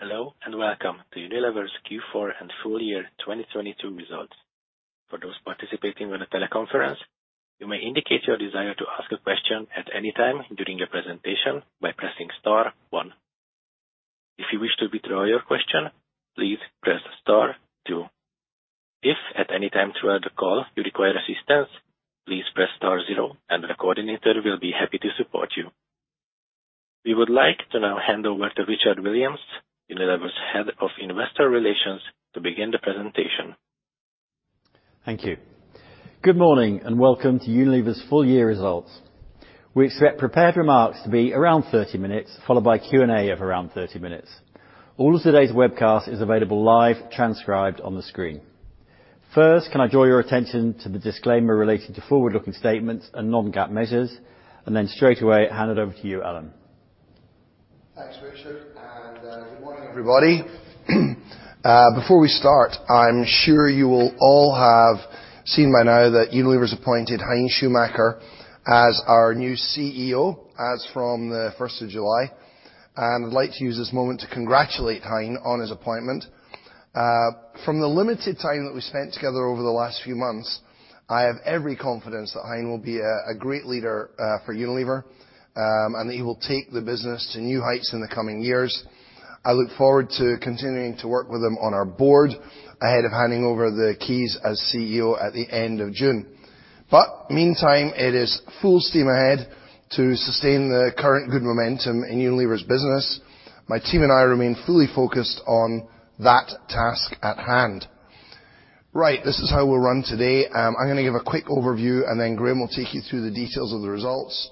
Hello and welcome to Unilever's Q4 and Full Year 2022 results. For those participating on a teleconference, you may indicate your desire to ask a question at any time during the presentation by pressing star one. If you wish to withdraw your question, please press star two. If at any time throughout the call you require assistance, please press star zero and the coordinator will be happy to support you. We would like to now hand over to Richard Williams, Unilever's Head of Investor Relations, to begin the presentation. Thank you. Good morning, and welcome to Unilever's full year results. We expect prepared remarks to be around 30 minutes, followed by Q&A of around 30 minutes. All of today's webcast is available live transcribed on the screen. First, can I draw your attention to the disclaimer related to forward-looking statements and non-GAAP measures, and then straightaway hand it over to you, Alan. Thanks, Richard. Good morning, everybody. Before we start, I'm sure you will all have seen by now that Unilever's appointed Hein Schumacher as our new CEO as from the 1st of July, and I'd like to use this moment to congratulate Hein on his appointment. From the limited time that we spent together over the last few months, I have every confidence that Hein will be a great leader for Unilever, and that he will take the business to new heights in the coming years. I look forward to continuing to work with him on our board ahead of handing over the keys as CEO at the end of June. Meantime, it is full steam ahead to sustain the current good momentum in Unilever's business. My team and I remain fully focused on that task at hand. Right. This is how we'll run today. I'm gonna give a quick overview. Graeme will take you through the details of the results.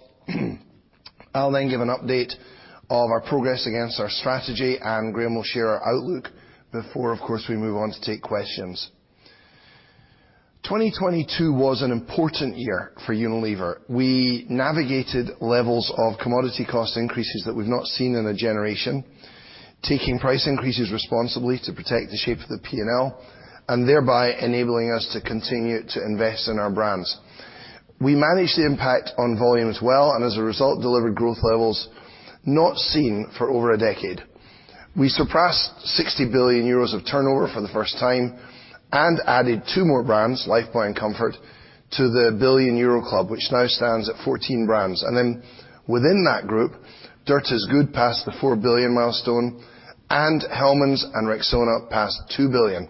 I'll then give an update of our progress against our strategy. Graeme will share our outlook before, of course, we move on to take questions. 2022 was an important year for Unilever. We navigated levels of commodity cost increases that we've not seen in a generation, taking price increases responsibly to protect the shape of the P&L, thereby enabling us to continue to invest in our brands. We managed the impact on volume as well. As a result, delivered growth levels not seen for over a decade. We surpassed 60 billion euros of turnover for the first time. Added two more brands, Lifebuoy and Comfort, to the Billion Euro Club, which now stands at 14 brands. Within that group, Dirt Is Good passed the 4 billion milestone, and Hellmann's and Rexona passed 2 billion.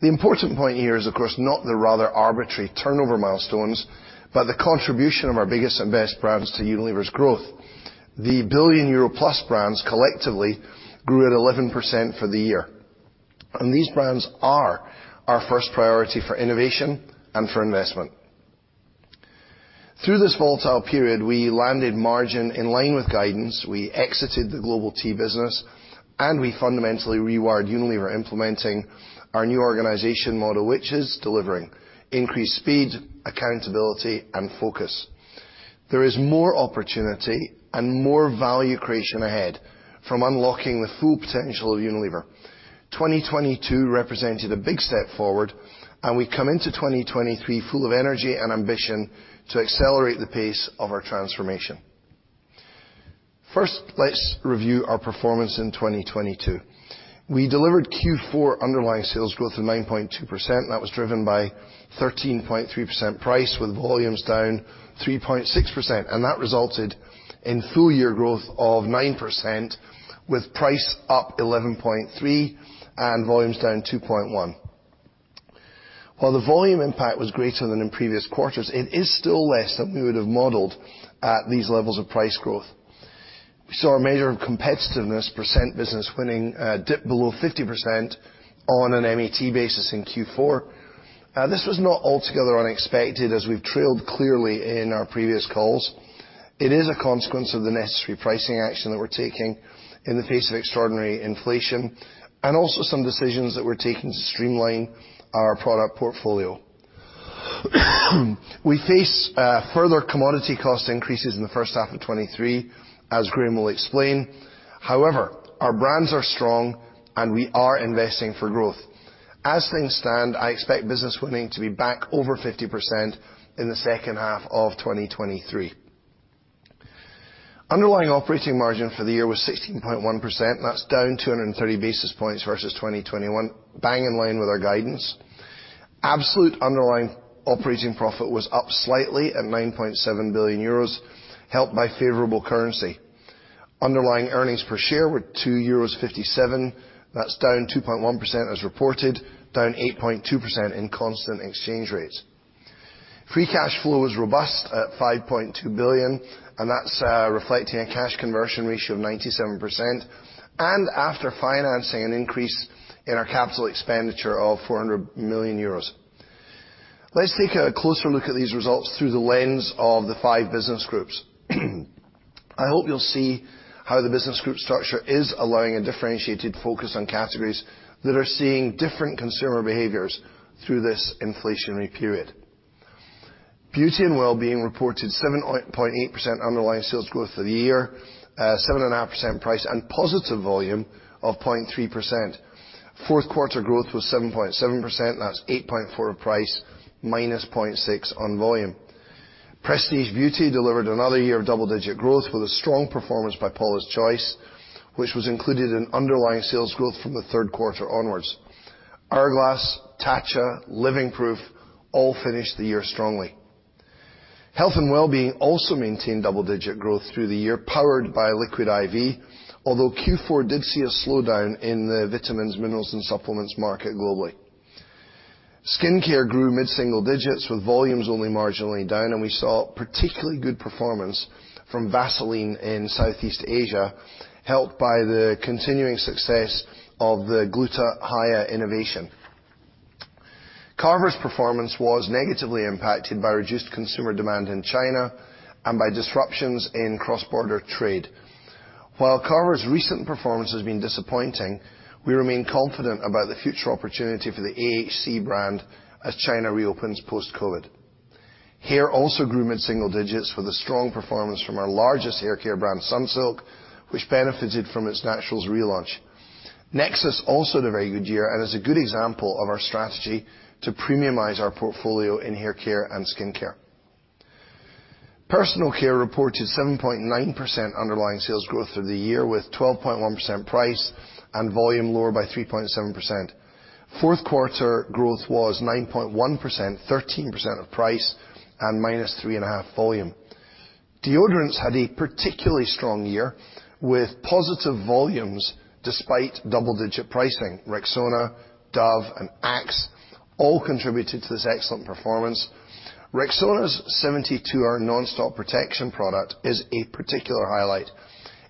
The important point here is, of course, not the rather arbitrary turnover milestones, but the contribution of our biggest and best brands to Unilever's growth. The 1 billion euro+ brands collectively grew at 11% for the year, and these brands are our first priority for innovation and for investment. Through this volatile period, we landed margin in line with guidance, we exited the global tea business, and we fundamentally rewired Unilever, implementing our new organization model, which is delivering increased speed, accountability, and focus. There is more opportunity and more value creation ahead from unlocking the full potential of Unilever. 2022 represented a big step forward, we come into 2023 full of energy and ambition to accelerate the pace of our transformation. First, let's review our performance in 2022. We delivered Q4 underlying sales growth of 9.2%. That was driven by 13.3% price, with volumes down 3.6%. That resulted in full year growth of 9% with price up 11.3% and volumes down 2.1%. While the volume impact was greater than in previous quarters, it is still less than we would have modeled at these levels of price growth. We saw our measure of competitiveness percent business winning dip below 50% on an MAT basis in Q4. This was not altogether unexpected, as we've trailed clearly in our previous calls. It is a consequence of the necessary pricing action that we're taking in the face of extraordinary inflation and also some decisions that we're taking to streamline our product portfolio. We face further commodity cost increases in the first half of 2023, as Graeme will explain. Our brands are strong, and we are investing for growth. As things stand, I expect business winning to be back over 50% in the second half of 2023. Underlying operating margin for the year was 16.1%. That's down 230 basis points versus 2021, bang in line with our guidance. Absolute underlying operating profit was up slightly at 9.7 billion euros, helped by favorable currency. Underlying earnings per share were 2.57 euros. That's down 2.1% as reported, down 8.2% in constant exchange rates. Free cash flow was robust at 5.2 billion, reflecting a cash conversion ratio of 97% and after financing an increase in our CapEx of 400 million euros. Let's take a closer look at these results through the lens of the five business groups. I hope you'll see how the business group structure is allowing a differentiated focus on categories that are seeing different consumer behaviors through this inflationary period. Beauty & Wellbeing reported 7.8% underlying sales growth for the year, 7.5% price and positive volume of 0.3%. Fourth quarter growth was 7.7%, 8.4% price -0.6% on volume. Prestige Beauty delivered another year of double-digit growth with a strong performance by Paula's Choice, which was included in underlying sales growth from the third quarter onwards. Hourglass, Tatcha, Living Proof all finished the year strongly. Health & Wellbeing also maintained double-digit growth through the year, powered by Liquid I.V., although Q4 did see a slowdown in the vitamins, minerals, and supplements market globally. Skincare grew mid-single digits with volumes only marginally down, and we saw particularly good performance from Vaseline in Southeast Asia, helped by the continuing success of the Gluta-Hya innovation. Carver's performance was negatively impacted by reduced consumer demand in China and by disruptions in cross-border trade. While Carver's recent performance has been disappointing, we remain confident about the future opportunity for the AHC brand as China reopens post-COVID. Hair also grew mid-single digits with a strong performance from our largest haircare brand, Sunsilk, which benefited from its Naturals relaunch. Nexxus also had a very good year and is a good example of our strategy to premiumize our portfolio in haircare and skincare. Personal Care reported 7.9% underlying sales growth for the year, with 12.1% price and volume lower by 3.7%. Fourth quarter growth was 9.1%, 13% of price and -3.5% volume. Deodorants had a particularly strong year with positive volumes despite double-digit pricing. Rexona, Dove, and Axe all contributed to this excellent performance. Rexona's 72-hour nonstop protection product is a particular highlight.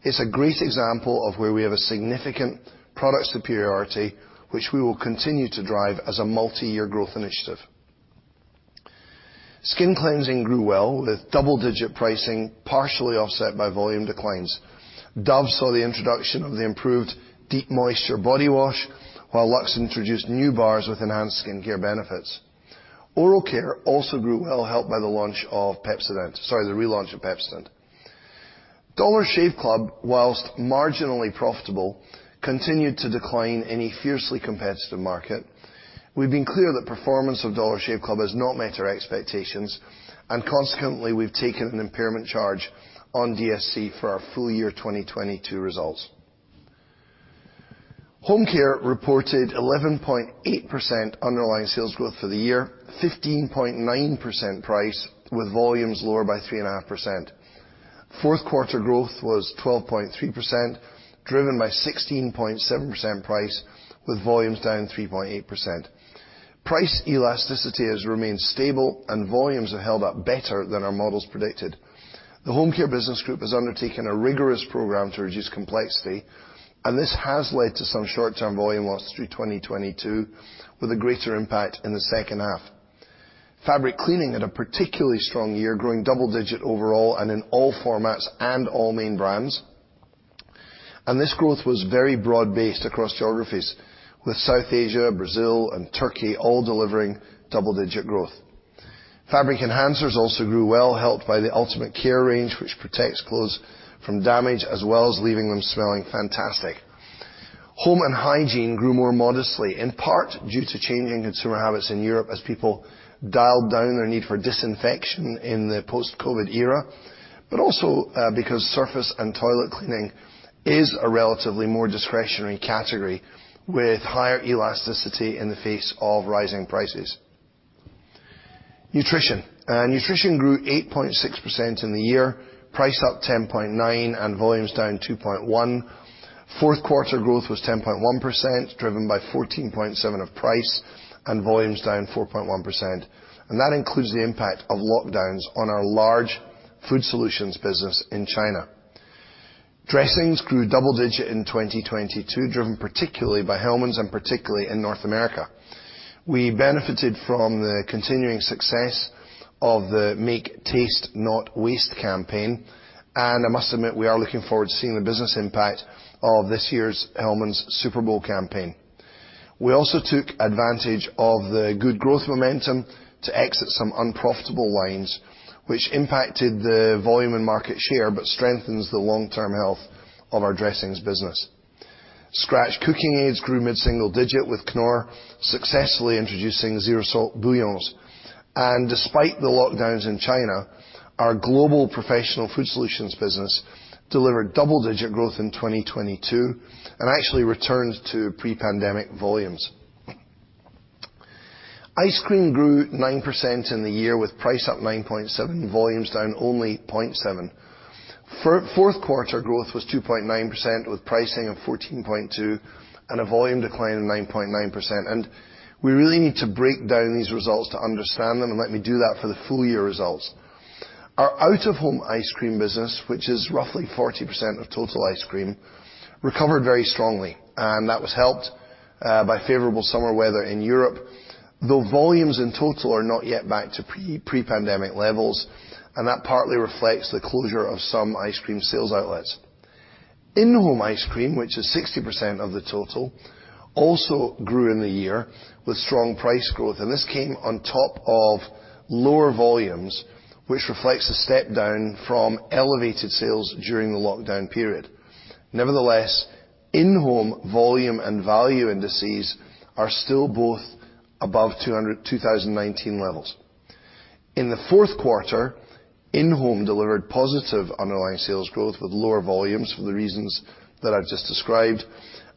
It's a great example of where we have a significant product superiority, which we will continue to drive as a multi-year growth initiative. Skin cleansing grew well, with double-digit pricing partially offset by volume declines. Dove saw the introduction of the improved Deep Moisture Body Wash, while LUX introduced new bars with enhanced skincare benefits. Oral care also grew well, helped by the launch of Pepsodent-- sorry, the relaunch of Pepsodent. Dollar Shave Club, while marginally profitable, continued to decline in a fiercely competitive market. We've been clear that performance of Dollar Shave Club has not met our expectations, and consequently, we've taken an impairment charge on DSC for our full year 2022 results. Home Care reported 11.8% underlying sales growth for the year, 15.9% price, with volumes lower by 3.5%. Fourth quarter growth was 12.3%, driven by 16.7% price, with volumes down 3.8%. Price elasticity has remained stable, volumes have held up better than our models predicted. The Home Care business group has undertaken a rigorous program to reduce complexity, and this has led to some short-term volume loss through 2022, with a greater impact in the second half. Fabric cleaning had a particularly strong year, growing double-digit overall and in all formats and all main brands. This growth was very broad-based across geographies, with South Asia, Brazil, and Turkey all delivering double-digit growth. Fabric enhancers also grew well, helped by the Ultimate Care range, which protects clothes from damage as well as leaving them smelling fantastic. Home and hygiene grew more modestly, in part due to changing consumer habits in Europe as people dialed down their need for disinfection in the post-COVID era, but also because surface and toilet cleaning is a relatively more discretionary category with higher elasticity in the face of rising prices. Nutrition grew 8.6% in the year, price up 10.9%, and volumes down 2.1%. Fourth quarter growth was 10.1%, driven by 14.7% of price, volumes down 4.1%. That includes the impact of lockdowns on our large food solutions business in China. Dressings grew double-digit in 2022, driven particularly by Hellmann's and particularly in North America. We benefited from the continuing success of the Make Taste Not Waste campaign, I must admit, we are looking forward to seeing the business impact of this year's Hellmann's Super Bowl campaign. We also took advantage of the good growth momentum to exit some unprofitable lines, which impacted the volume and market share, strengthens the long-term health of our dressings business. Scratch Cooking Aids grew mid-single-digit, with Knorr successfully introducing zero salt bouillons. Despite the lockdowns in China, our global professional food solutions business delivered double-digit growth in 2022 and actually returned to pre-pandemic volumes. Ice Cream grew 9% in the year, with price up 9.7%, volumes down only 0.7%. Fourth quarter growth was 2.9%, with pricing of 14.2% and a volume decline of 9.9%. We really need to break down these results to understand them, and let me do that for the full year results. Our out-of-home Ice Cream business, which is roughly 40% of total Ice Cream, recovered very strongly, and that was helped by favorable summer weather in Europe, though volumes in total are not yet back to pre-pandemic levels, and that partly reflects the closure of some Ice Cream sales outlets. In-home Ice Cream, which is 60% of the total, also grew in the year with strong price growth. This came on top of lower volumes, which reflects the step down from elevated sales during the lockdown period. Nevertheless, In home volume and value indices are still both above 200, 2019 levels. In the 4th quarter, in-home delivered positive underlying sales growth with lower volumes for the reasons that I've just described,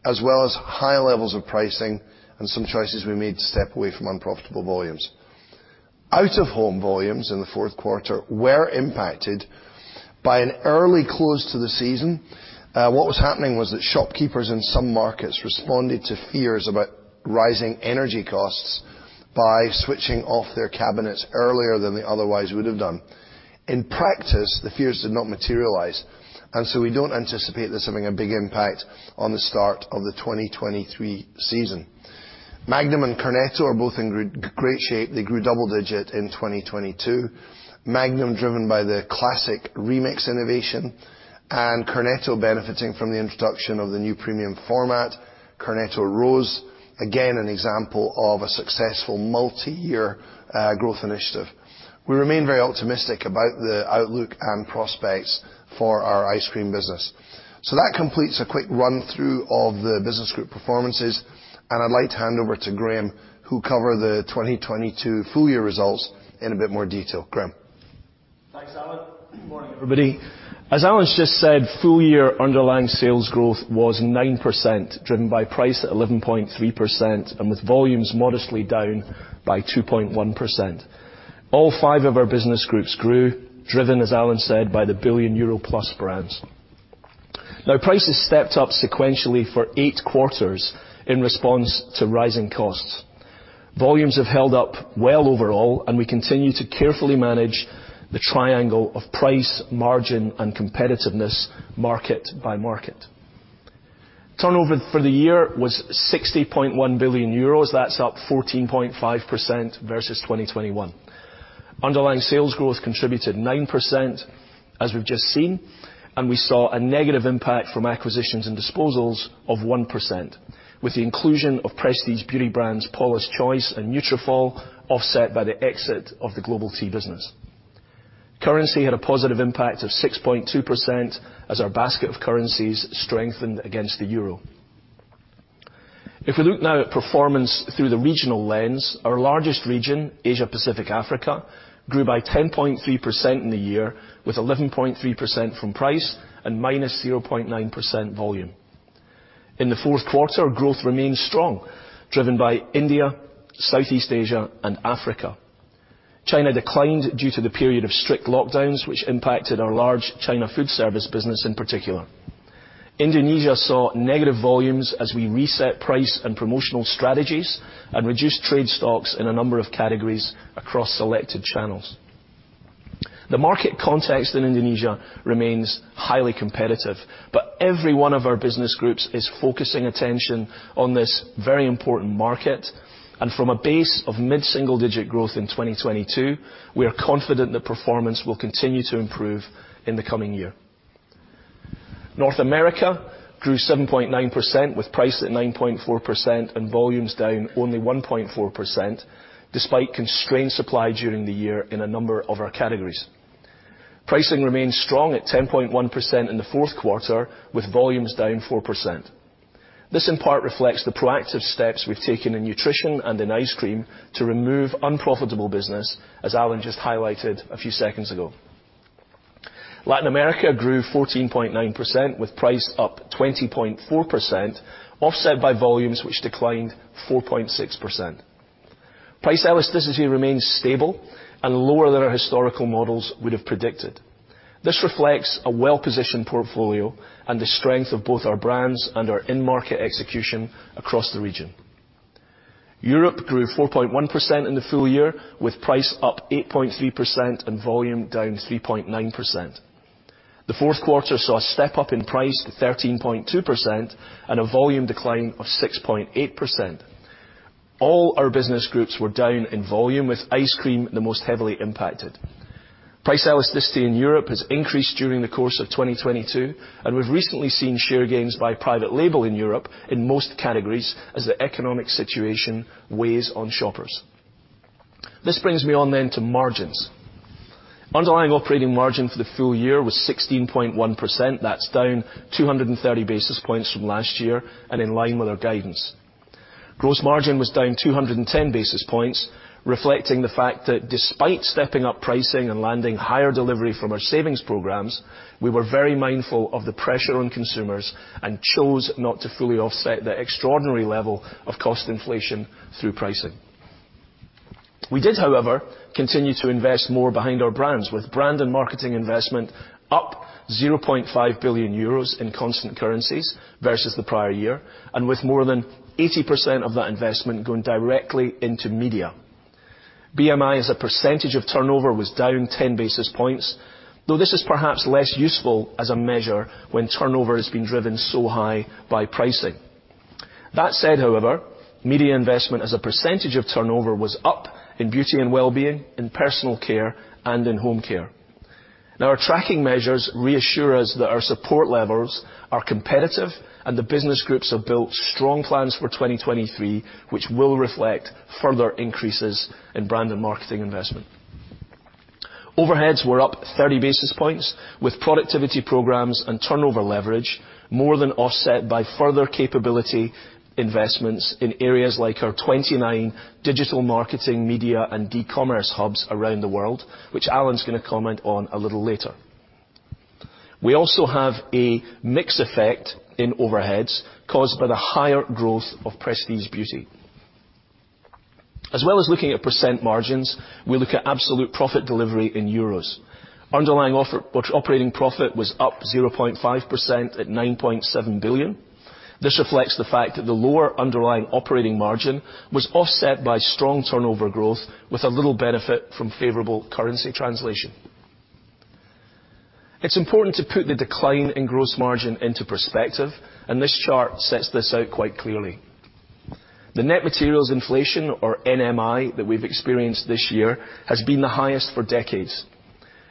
as well as high levels of pricing and some choices we made to step away from unprofitable volumes. Out of home volumes in the 4th quarter were impacted by an early close to the season. What was happening was that shopkeepers in some markets responded to fears about rising energy costs by switching off their cabinets earlier than they otherwise would have done. In practice, the fears did not materialize, we don't anticipate this having a big impact on the start of the 2023 season. Magnum and Cornetto are both in great shape. They grew double digit in 2022. Magnum driven by the classic remix innovation and Cornetto benefiting from the introduction of the new premium format. Cornetto Rose, again, an example of a successful multi-year growth initiative. We remain very optimistic about the outlook and prospects for our Ice Cream business. That completes a quick run through of the business group performances, and I'd like to hand over to Graeme, who cover the 2022 full year results in a bit more detail. Graeme. Thanks, Alan. Good morning, everybody. As Alan just said, full year underlying sales growth was 9%, driven by price at 11.3% and with volumes modestly down by 2.1%. All five of our business groups grew, driven, as Alan said, by the billion+ Euro brands. Prices stepped up sequentially for eight quarters in response to rising costs. Volumes have held up well overall, and we continue to carefully manage the triangle of price, margin, and competitiveness market by market. Turnover for the year was 60.1 billion euros. That's up 14.5% versus 2021. Underlying sales growth contributed 9%, as we've just seen, we saw a negative impact from acquisitions and disposals of 1%, with the inclusion of Prestige Beauty brands Paula's Choice and Nutrafol offset by the exit of the global tea business. Currency had a positive impact of 6.2% as our basket of currencies strengthened against the euro. If we look now at performance through the regional lens, our largest region, Asia Pacific Africa, grew by 10.3% in the year, with 11.3% from price and -0.9% volume. In the fourth quarter, growth remained strong, driven by India, Southeast Asia and Africa. China declined due to the period of strict lockdowns, which impacted our large China food service business in particular. Indonesia saw negative volumes as we reset price and promotional strategies and reduced trade stocks in a number of categories across selected channels. The market context in Indonesia remains highly competitive, but every one of our business groups is focusing attention on this very important market. From a base of mid-single digit growth in 2022, we are confident the performance will continue to improve in the coming year. North America grew 7.9% with price at 9.4% and volumes down only 1.4% despite constrained supply during the year in a number of our categories. Pricing remains strong at 10.1% in the fourth quarter, with volumes down 4%. This in part reflects the proactive steps we've taken in Nutrition and in Ice Cream to remove unprofitable business, as Alan just highlighted a few seconds ago. Latin America grew 14.9%, with price up 20.4%, offset by volumes which declined 4.6%. Price elasticity remains stable and lower than our historical models would have predicted. This reflects a well-positioned portfolio and the strength of both our brands and our in-market execution across the region. Europe grew 4.1% in the full year, with price up 8.3% and volume down 3.9%. The fourth quarter saw a step up in price, 13.2% and a volume decline of 6.8%. All our business groups were down in volume, with Ice Cream the most heavily impacted. Price elasticity in Europe has increased during the course of 2022, and we've recently seen share gains by private label in Europe in most categories as the economic situation weighs on shoppers. This brings me on to margins. Underlying operating margin for the full year was 16.1%. That's down 230 basis points from last year and in line with our guidance. Gross margin was down 210 basis points, reflecting the fact that despite stepping up pricing and landing higher delivery from our savings programs, we were very mindful of the pressure on consumers and chose not to fully offset the extraordinary level of cost inflation through pricing. We did, however, continue to invest more behind our brands, with brand and marketing investment up 0.5 billion euros in constant currencies versus the prior year, and with more than 80% of that investment going directly into media. BMI as a percentage of turnover was down 10 basis points, though this is perhaps less useful as a measure when turnover has been driven so high by pricing. That said, however, media investment as a percentage of turnover was up in Beauty & Wellbeing, in Personal Care, and in Home Care. Our tracking measures reassure us that our support levels are competitive and the business groups have built strong plans for 2023, which will reflect further increases in brand and marketing investment. Overheads were up 30 basis points, with productivity programs and turnover leverage more than offset by further capability investments in areas like our 29 digital marketing, media, and e-commerce hubs around the world, which Alan's gonna comment on a little later. We also have a mix effect in overheads caused by the higher growth of Prestige Beauty. As well as looking at percent margins, we look at absolute profit delivery in Euros. Underlying operating profit was up 0.5% at 9.7 billion. This reflects the fact that the lower underlying operating margin was offset by strong turnover growth with a little benefit from favorable currency translation. It's important to put the decline in gross margin into perspective. This chart sets this out quite clearly. The net materials inflation, or NMI, that we've experienced this year has been the highest for decades.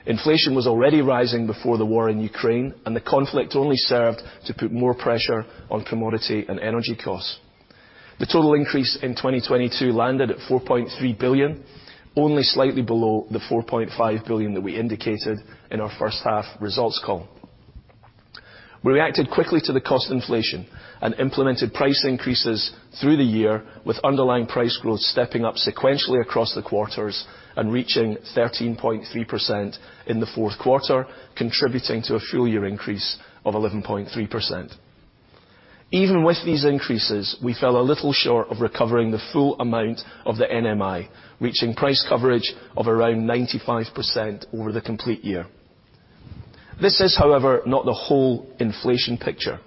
Inflation was already rising before the war in Ukraine. The conflict only served to put more pressure on commodity and energy costs. The total increase in 2022 landed at 4.3 billion, only slightly below the 4.5 billion that we indicated in our first half results call. We reacted quickly to the cost inflation and implemented price increases through the year with underlying price growth stepping up sequentially across the quarters and reaching 13.3% in the fourth quarter, contributing to a full year increase of 11.3%. Even with these increases, we fell a little short of recovering the full amount of the NMI, reaching price coverage of around 95% over the complete year. This is, however, not the whole inflation picture.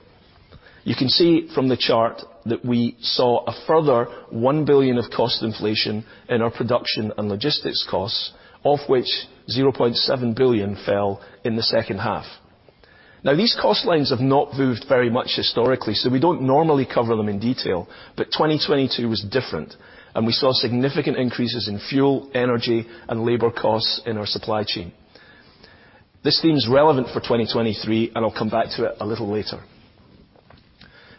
You can see from the chart that we saw a further 1 billion of cost inflation in our production and logistics costs, of which 0.7 billion fell in the second half. These cost lines have not moved very much historically, so we don't normally cover them in detail, but 2022 was different, and we saw significant increases in fuel, energy, and labor costs in our supply chain. This theme's relevant for 2023, and I'll come back to it a little later.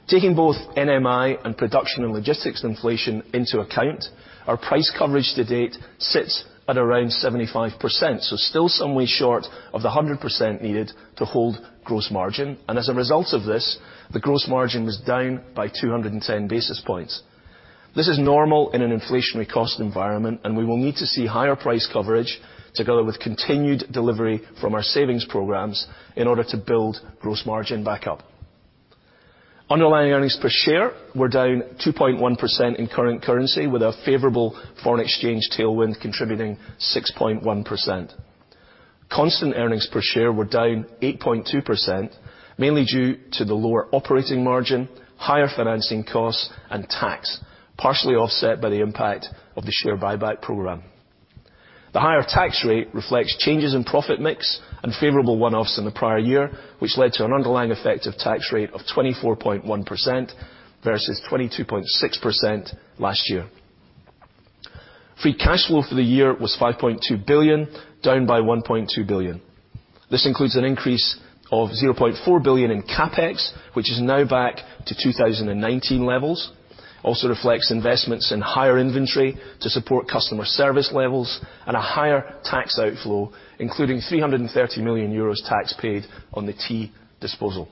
Taking both NMI and production and logistics inflation into account, our price coverage to date sits at around 75%, so still some way short of the 100% needed to hold gross margin. As a result of this, the gross margin was down by 210 basis points. This is normal in an inflationary cost environment, and we will need to see higher price coverage together with continued delivery from our savings programs in order to build gross margin back up. Underlying earnings per share were down 2.1% in current currency with a favorable foreign exchange tailwind contributing 6.1%. Constant earnings per share were down 8.2%, mainly due to the lower operating margin, higher financing costs, and tax, partially offset by the impact of the share buyback program. The higher tax rate reflects changes in profit mix and favorable one-offs in the prior year, which led to an underlying effective tax rate of 24.1% versus 22.6% last year. Free cash flow for the year was 5.2 billion, down by 1.2 billion. This includes an increase of 0.4 billion in CapEx, which is now back to 2019 levels. Also reflects investments in higher inventory to support customer service levels and a higher tax outflow, including 330 million euros tax paid on the tea disposal.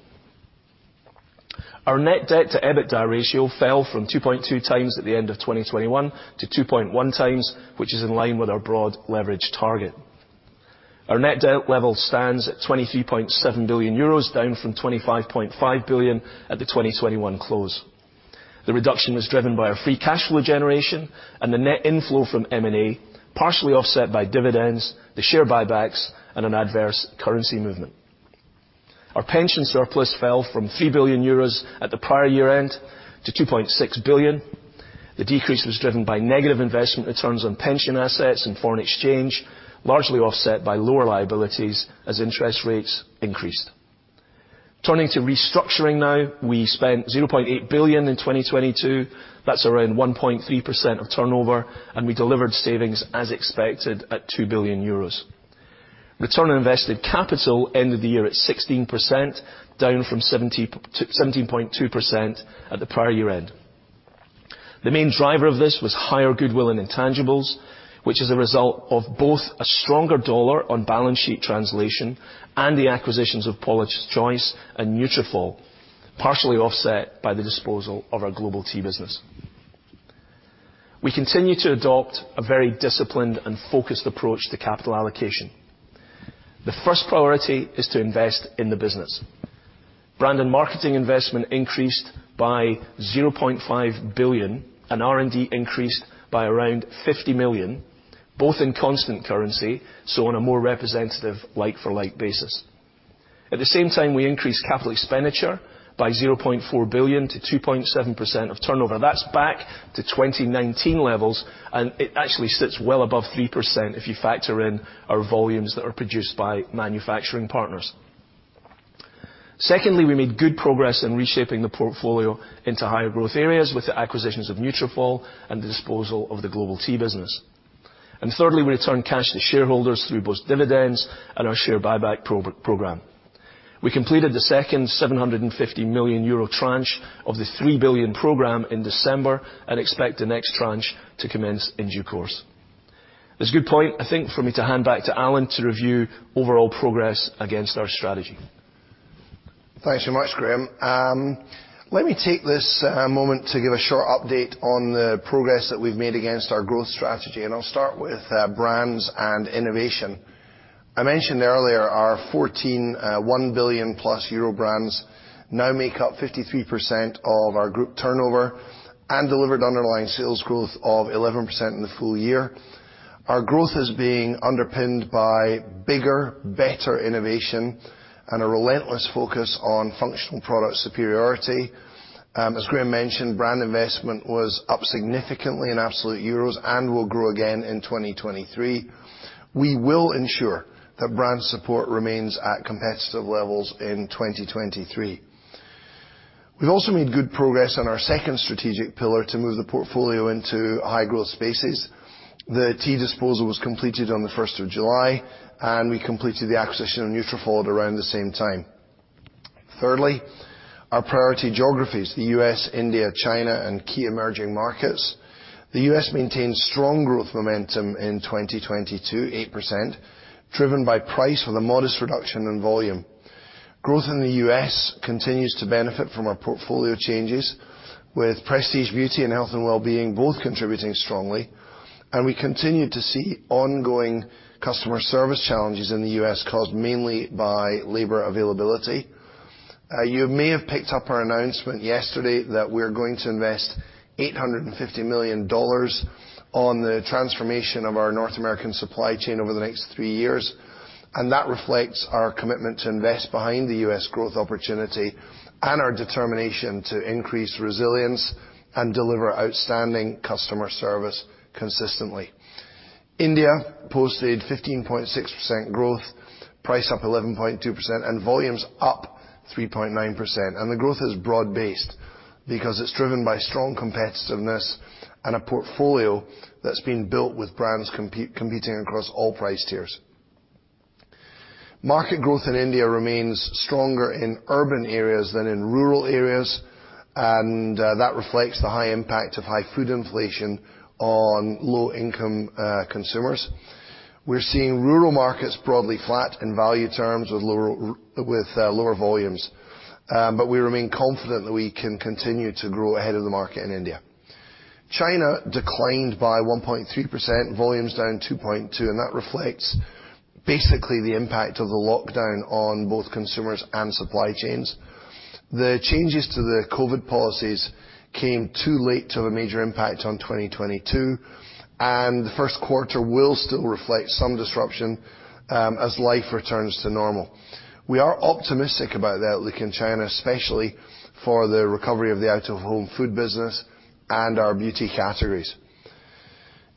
Our net debt to EBITDA ratio fell from 2.2x at the end of 2021 to 2.1x, which is in line with our broad leverage target. Our net debt level stands at 23.7 billion euros, down from 25.5 billion at the 2021 close. The reduction was driven by our free cash flow generation and the net inflow from M&A, partially offset by dividends, the share buybacks, and an adverse currency movement. Our pension surplus fell from 3 billion euros at the prior year-end to 2.6 billion. The decrease was driven by negative investment returns on pension assets and foreign exchange, largely offset by lower liabilities as interest rates increased. Turning to restructuring now, we spent 0.8 billion in 2022. That's around 1.3% of turnover, and we delivered savings as expected at 2 billion euros. Return on investment capital ended the year at 16%, down from 17.2% at the prior year-end. The main driver of this was higher goodwill and intangibles, which is a result of both a stronger dollar on balance sheet translation and the acquisitions of Paula's Choice and Nutrafol, partially offset by the disposal of our global tea business. We continue to adopt a very disciplined and focused approach to capital allocation. The first priority is to invest in the business. Brand and marketing investment increased by 0.5 billion, and R&D increased by around 50 million, both in constant currency, so on a more representative like-for-like basis. At the same time, we increased CapEx by 0.4 billion to 2.7% of turnover. That's back to 2019 levels, and it actually sits well above 3% if you factor in our volumes that are produced by manufacturing partners. Secondly, we made good progress in reshaping the portfolio into higher growth areas with the acquisitions of Nutrafol and the disposal of the global tea business. Thirdly, we returned cash to shareholders through both dividends and our share buyback program. We completed the second 750 million euro tranche of the 3 billion program in December and expect the next tranche to commence in due course. It's a good point, I think, for me to hand back to Alan to review overall progress against our strategy. Thanks so much, Graeme. Let me take this moment to give a short update on the progress that we've made against our growth strategy. I'll start with brands and innovation. I mentioned earlier our 14 1 billion euro+ brands now make up 53% of our group turnover and delivered underlying sales growth of 11% in the full year. Our growth is being underpinned by bigger, better innovation and a relentless focus on functional product superiority. As Graeme mentioned, brand investment was up significantly in absolute Euros and will grow again in 2023. We will ensure that brand support remains at competitive levels in 2023. We also made good progress on our second strategic pillar to move the portfolio into high-growth spaces. The tea disposal was completed on the 1st of July. We completed the acquisition of Nutrafol around the same time. Thirdly, our priority geographies, the U.S., India, China, and key emerging markets. The U.S. maintained strong growth momentum in 2022, 8%, driven by price with a modest reduction in volume. Growth in the U.S. continues to benefit from our portfolio changes, with Prestige Beauty and Health & Wellbeing both contributing strongly. We continue to see ongoing customer service challenges in the U.S. caused mainly by labor availability. You may have picked up our announcement yesterday that we're going to invest $850 million on the transformation of our North American supply chain over the next three years. That reflects our commitment to invest behind the U.S. growth opportunity and our determination to increase resilience and deliver outstanding customer service consistently. India posted 15.6% growth, price up 11.2%, and volumes up 3.9%. The growth is broad-based because it's driven by strong competitiveness and a portfolio that's been built with brands competing across all price tiers. Market growth in India remains stronger in urban areas than in rural areas, and that reflects the high impact of high food inflation on low-income consumers. We're seeing rural markets broadly flat in value terms with lower volumes. We remain confident that we can continue to grow ahead of the market in India. China declined by 1.3%, volumes down 2.2%, and that reflects basically the impact of the lockdown on both consumers and supply chains. The changes to the COVID policies came too late to have a major impact on 2022, and the first quarter will still reflect some disruption as life returns to normal. We are optimistic about the outlook in China, especially for the recovery of the out-of-home food business and our beauty categories.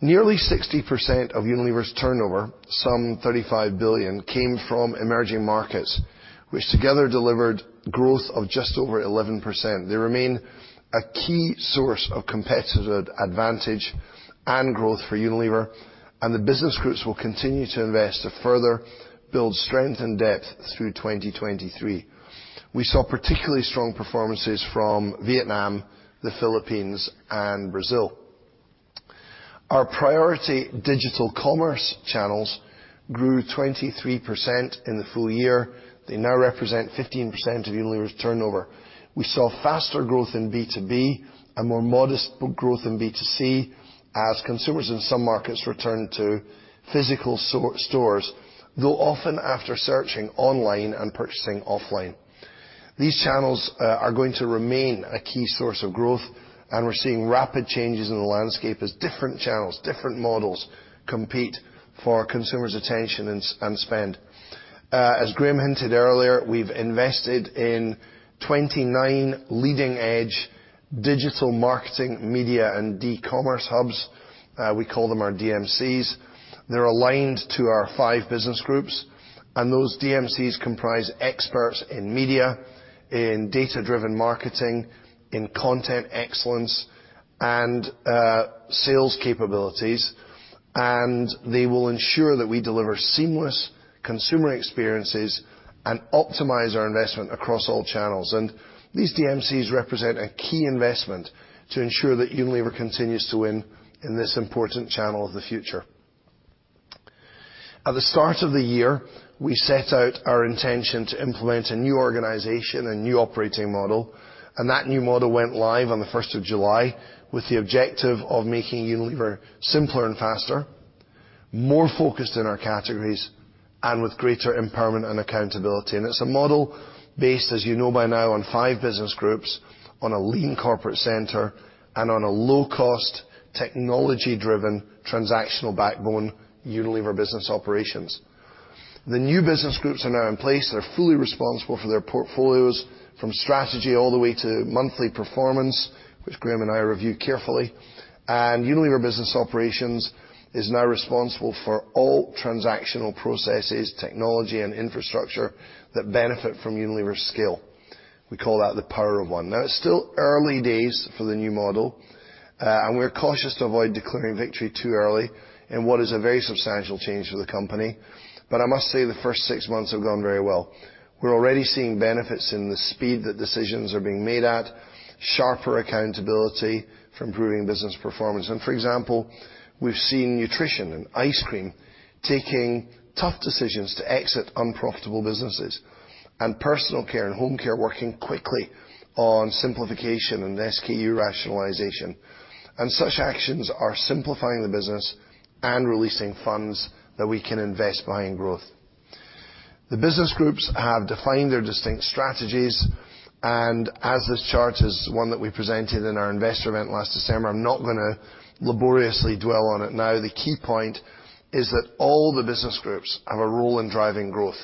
Nearly 60% of Unilever's turnover, some 35 billion, came from emerging markets, which together delivered growth of just over 11%. They remain a key source of competitive advantage and growth for Unilever, and the business groups will continue to invest to further build strength and depth through 2023. We saw particularly strong performances from Vietnam, the Philippines, and Brazil. Our priority digital commerce channels grew 23% in the full year. They now represent 15% of Unilever's turnover. We saw faster growth in B2B and more modest growth in B2C as consumers in some markets return to physical stores, though often after searching online and purchasing offline. These channels are going to remain a key source of growth, and we're seeing rapid changes in the landscape as different channels, different models compete for consumers' attention and spend. As Graeme hinted earlier, we've invested in 29 leading-edge digital marketing, media, and D-Commerce hubs. We call them our DMCs. They're aligned to our five business groups, and those DMCs comprise experts in media, in data-driven marketing, in content excellence, and sales capabilities, and they will ensure that we deliver seamless consumer experiences and optimize our investment across all channels. These DMCs represent a key investment to ensure that Unilever continues to win in this important channel of the future. At the start of the year, we set out our intention to implement a new organization, a new operating model. That new model went live on the 1st of July with the objective of making Unilever simpler and faster, more focused in our categories, and with greater empowerment and accountability. It's a model based, as you know by now, on five business groups, on a lean corporate center, and on a low-cost, technology-driven transactional backbone, Unilever Business Operations. The new business groups are now in place. They're fully responsible for their portfolios from strategy all the way to monthly performance, which Graeme and I review carefully. Unilever Business Operations is now responsible for all transactional processes, technology, and infrastructure that benefit from Unilever's scale. We call that the power of one. It's still early days for the new model, and we're cautious to avoid declaring victory too early in what is a very substantial change to the company. I must say the first six months have gone very well. We're already seeing benefits in the speed that decisions are being made at, sharper accountability for improving business performance. For example, we've seen Nutrition and Ice Cream taking tough decisions to exit unprofitable businesses, and Personal Care and Home Care working quickly on simplification and SKU rationalization. Such actions are simplifying the business and releasing funds that we can invest behind growth. The business groups have defined their distinct strategies, and as this chart is one that we presented in our investor event last December, I'm not gonna laboriously dwell on it now. The key point is that all the business groups have a role in driving growth.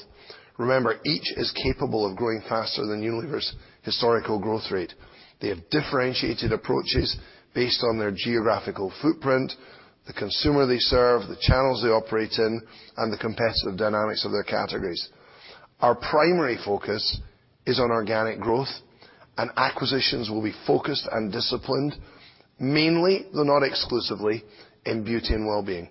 Remember, each is capable of growing faster than Unilever's historical growth rate. They have differentiated approaches based on their geographical footprint, the consumer they serve, the channels they operate in, and the competitive dynamics of their categories. Our primary focus is on organic growth, acquisitions will be focused and disciplined, mainly, though not exclusively, in Beauty & Wellbeing.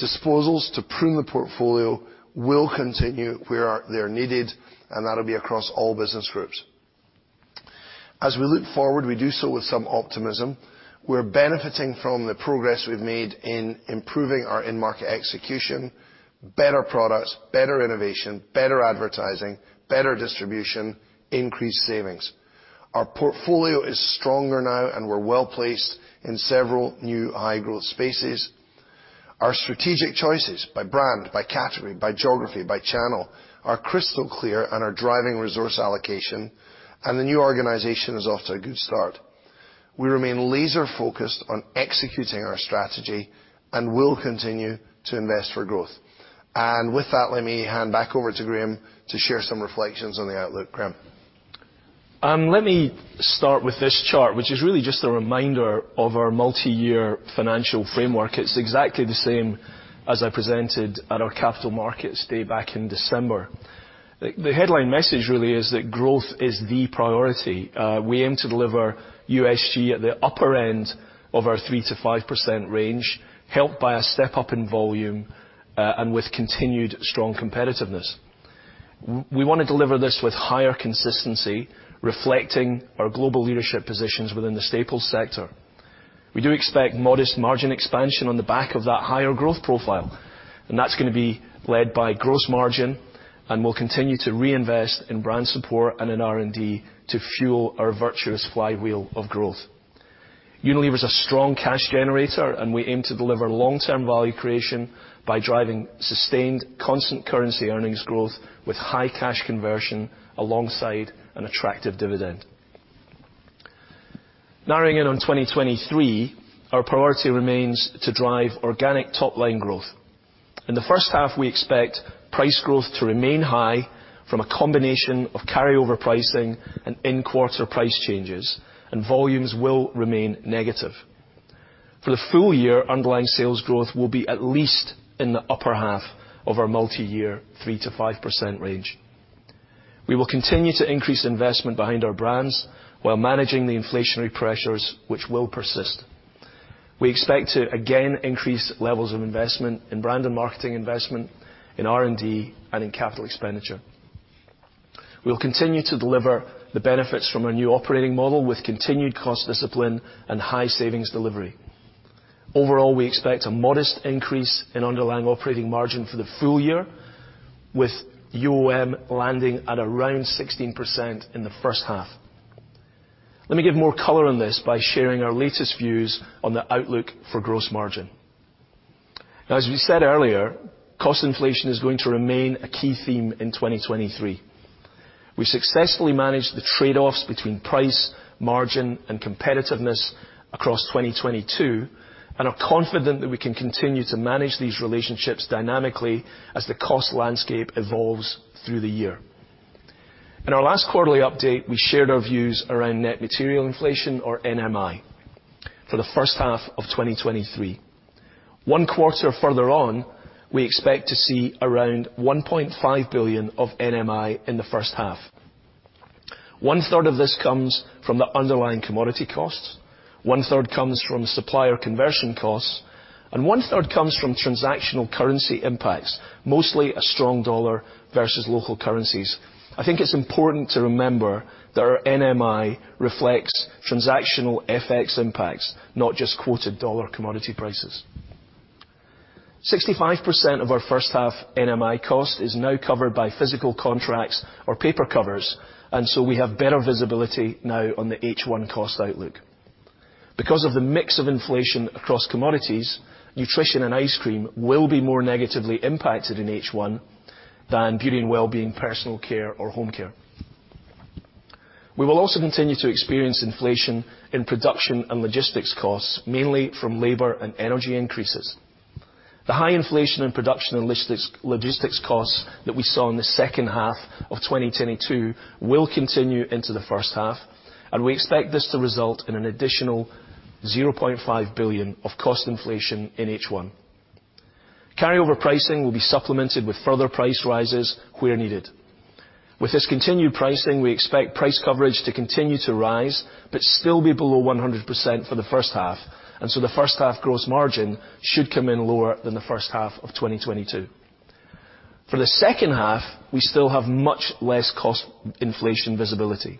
Disposals to prune the portfolio will continue where they're needed, that'll be across all business groups. As we look forward, we do so with some optimism. We're benefiting from the progress we've made in improving our in-market execution, better products, better innovation, better advertising, better distribution, increased savings. Our portfolio is stronger now and we're well-placed in several new high-growth spaces. Our strategic choices by brand, by category, by geography, by channel are crystal clear on our driving resource allocation. The new organization is off to a good start. We remain laser-focused on executing our strategy and will continue to invest for growth. With that, let me hand back over to Graeme to share some reflections on the outlook. Graeme? Let me start with this chart, which is really just a reminder of our multiyear financial framework. It's exactly the same as I presented at our Capital Markets Day back in December. The headline message really is that growth is the priority. We aim to deliver USG at the upper end of our 3%-5% range, helped by a step up in volume, with continued strong competitiveness. We wanna deliver this with higher consistency, reflecting our global leadership positions within the staples sector. We do expect modest margin expansion on the back of that higher growth profile, that's gonna be led by gross margin, we'll continue to reinvest in brand support and in R&D to fuel our virtuous flywheel of growth. Unilever's a strong cash generator. We aim to deliver long-term value creation by driving sustained constant currency earnings growth with high cash conversion alongside an attractive dividend. Narrowing in on 2023, our priority remains to drive organic top-line growth. In the first half, we expect price growth to remain high from a combination of carryover pricing and in-quarter price changes. Volumes will remain negative. For the full year, underlying sales growth will be at least in the upper half of our multiyear 3%-5% range. We will continue to increase investment behind our brands while managing the inflationary pressures which will persist. We expect to again increase levels of investment in brand and marketing investment, in R&D, and in CapEx. We'll continue to deliver the benefits from our new operating model with continued cost discipline and high savings delivery. Overall, we expect a modest increase in underlying operating margin for the full year with UOM landing at around 16% in the first half. Let me give more color on this by sharing our latest views on the outlook for gross margin. As we said earlier, cost inflation is going to remain a key theme in 2023. We successfully managed the trade-offs between price, margin, and competitiveness across 2022, and are confident that we can continue to manage these relationships dynamically as the cost landscape evolves through the year. In our last quarterly update, we shared our views around net material inflation, or NMI, for the first half of 2023. One quarter further on, we expect to see around 1.5 billion of NMI in the first half. One third of this comes from the underlying commodity costs, one third comes from supplier conversion costs, and one third comes from transactional currency impacts, mostly a strong dollar versus local currencies. I think it's important to remember that our NMI reflects transactional FX impacts, not just quoted dollar commodity prices. 65% of our first half NMI cost is now covered by physical contracts or paper covers, and so we have better visibility now on the H1 cost outlook. Because of the mix of inflation across commodities, Nutrition and Ice Cream will be more negatively impacted in H1 than Beauty & Wellbeing, Personal Care, or Home Care. We will also continue to experience inflation in production and logistics costs, mainly from labor and energy increases. The high inflation in production and logistics costs that we saw in the second half of 2022 will continue into the first half. We expect this to result in an additional 0.5 billion of cost inflation in H1. Carryover pricing will be supplemented with further price rises where needed. With this continued pricing, we expect price coverage to continue to rise but still be below 100% for the first half, and so the first half gross margin should come in lower than the first half of 2022. For the second half, we still have much less cost inflation visibility.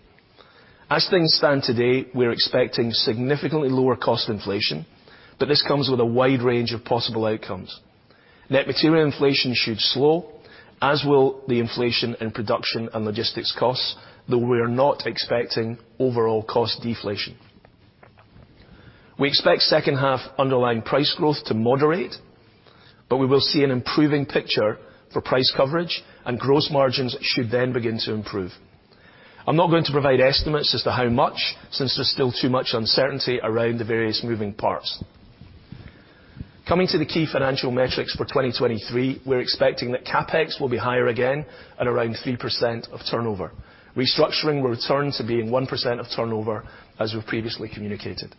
As things stand today, we're expecting significantly lower cost inflation, but this comes with a wide range of possible outcomes. Net material inflation should slow, as will the inflation in production and logistics costs, though we're not expecting overall cost deflation. We expect second half underlying price growth to moderate, but we will see an improving picture for price coverage and gross margins should then begin to improve. I'm not going to provide estimates as to how much, since there's still too much uncertainty around the various moving parts. Coming to the key financial metrics for 2023, we're expecting that CapEx will be higher again at around 3% of turnover. Restructuring will return to being 1% of turnover as we've previously communicated.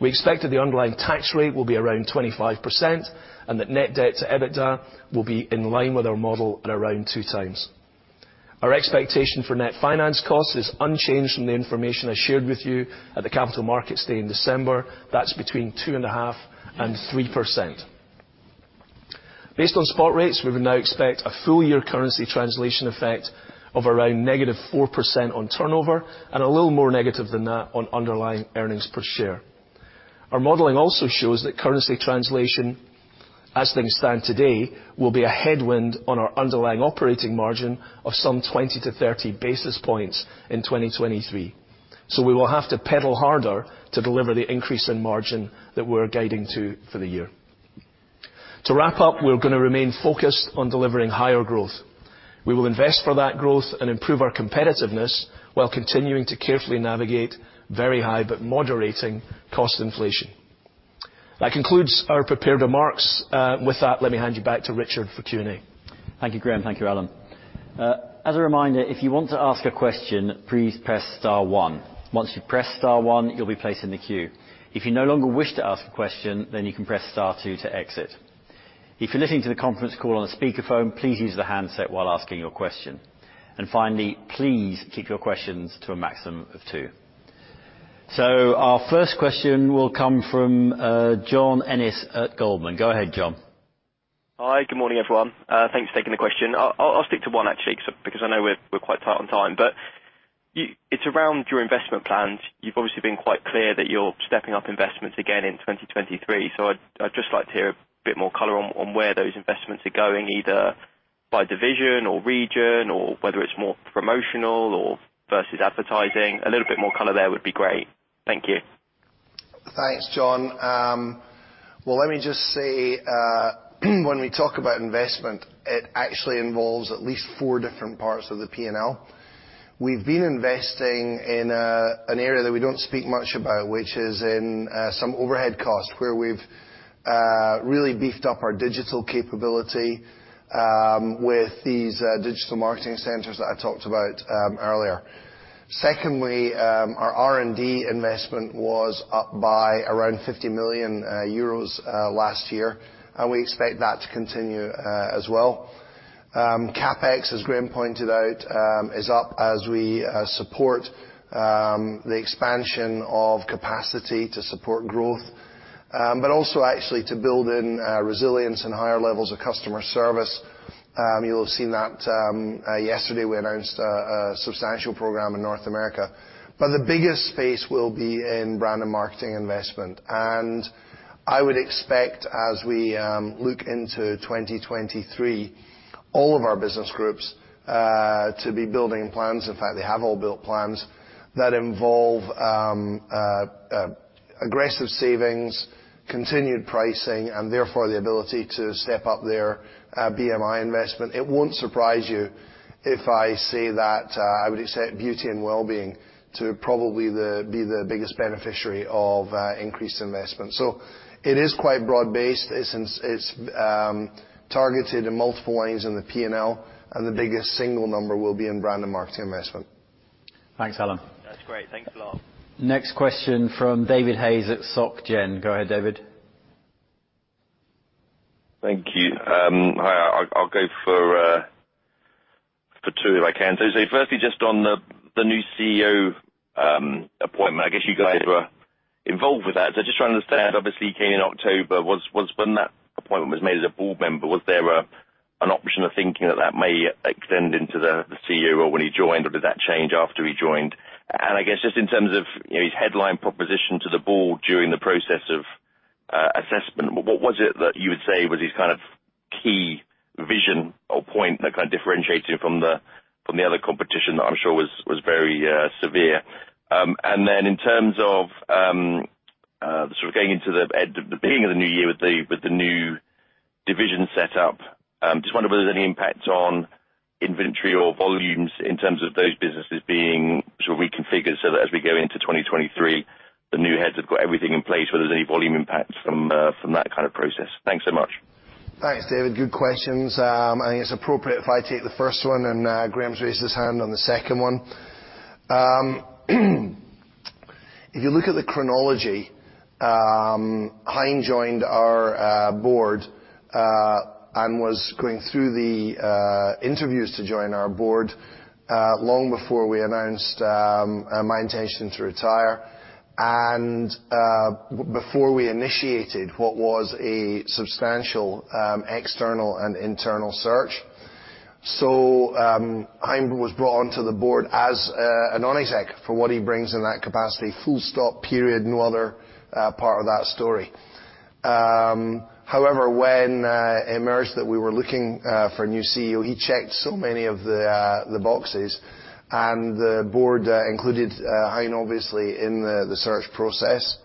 We expect that the underlying tax rate will be around 25% and that net debt to EBITDA will be in line with our model at around 2x. Our expectation for net finance costs is unchanged from the information I shared with you at the Capital Markets Day in December. That's between 2.5% and 3%. Based on spot rates, we would now expect a full year currency translation effect of around -4% on turnover and a little more negative than that on underlying earnings per share. Our modeling also shows that currency translation, as things stand today, will be a headwind on our underlying operating margin of some 20-30 basis points in 2023. We will have to pedal harder to deliver the increase in margin that we're guiding to for the year. To wrap up, we're gonna remain focused on delivering higher growth. We will invest for that growth and improve our competitiveness while continuing to carefully navigate very high but moderating cost inflation. That concludes our prepared remarks. With that, let me hand you back to Richard for Q&A. Thank you, Graeme. Thank you, Alan. As a reminder, if you want to ask a question, please press star one. Once you press star one, you'll be placed in the queue. If you no longer wish to ask a question, you can press star two to exit. If you're listening to the conference call on a speakerphone, please use the handset while asking your question. Finally, please keep your questions to a maximum of two. Our first question will come from John Ennis at Goldman. Go ahead, John. Hi, good morning, everyone. thanks for taking the question. I'll stick to one, actually, because I know we're quite tight on time. it's around your investment plans. You've obviously been quite clear that you're stepping up investments again in 2023. I'd just like to hear a bit more color on where those investments are going, either by division or region, or whether it's more promotional or versus advertising. A little bit more color there would be great. Thank you. Thanks, John. Well, let me just say, when we talk about investment, it actually involves at least four different parts of the P&L. We've been investing in an area that we don't speak much about, which is in some overhead costs, where we've really beefed up our digital capability with these digital marketing centers that I talked about earlier. Secondly, our R&D investment was up by around 50 million euros last year, and we expect that to continue as well. CapEx, as Graeme pointed out, is up as we support the expansion of capacity to support growth, but also actually to build in resilience and higher levels of customer service. You'll have seen that yesterday, we announced a substantial program in North America. The biggest space will be in brand and marketing investment. I would expect, as we look into 2023, all of our business groups to be building plans. In fact, they have all built plans that involve aggressive savings, continued pricing, and therefore the ability to step up their BMI investment. It won't surprise you if I say that I would expect Beauty & Wellbeing to probably be the biggest beneficiary of increased investment. It is quite broad-based. It's targeted in multiple ways in the P&L, and the biggest single number will be in brand and marketing investment. Thanks, Alan. That's great. Thanks a lot. Next question from David Hayes at SocGen. Go ahead, David. Thank you. Hi. I'll go for two, if I can. Say, firstly, just on the new CEO appointment, I guess you guys were involved with that. Just trying to understand, obviously, he came in October. Was when that appointment was made as a board member, was there an option of thinking that that may extend into the CEO role when he joined, or did that change after he joined? I guess just in terms of, you know, his headline proposition to the board during the process of assessment, what was it that you would say was his kind of key vision or point that kind of differentiated from the other competition that I'm sure was very severe? In terms of sort of going into the beginning of the new year with the new division set up, just wonder whether there's any impact on inventory or volumes in terms of those businesses being sort of reconfigured so that as we go into 2023, the new heads have got everything in place, whether there's any volume impacts from that kind of process. Thanks so much. Thanks, David. Good questions. I think it's appropriate if I take the first one, and Graeme's raised his hand on the second one. If you look at the chronology, Hein joined our board and was going through the interviews to join our board long before we announced my intention to retire and before we initiated what was a substantial external and internal search. Hein was brought onto the board as a non-exec for what he brings in that capacity. Full stop, period, no other part of that story. However, when it emerged that we were looking for a new CEO, he checked so many of the boxes and the board included Hein, obviously, in the search process.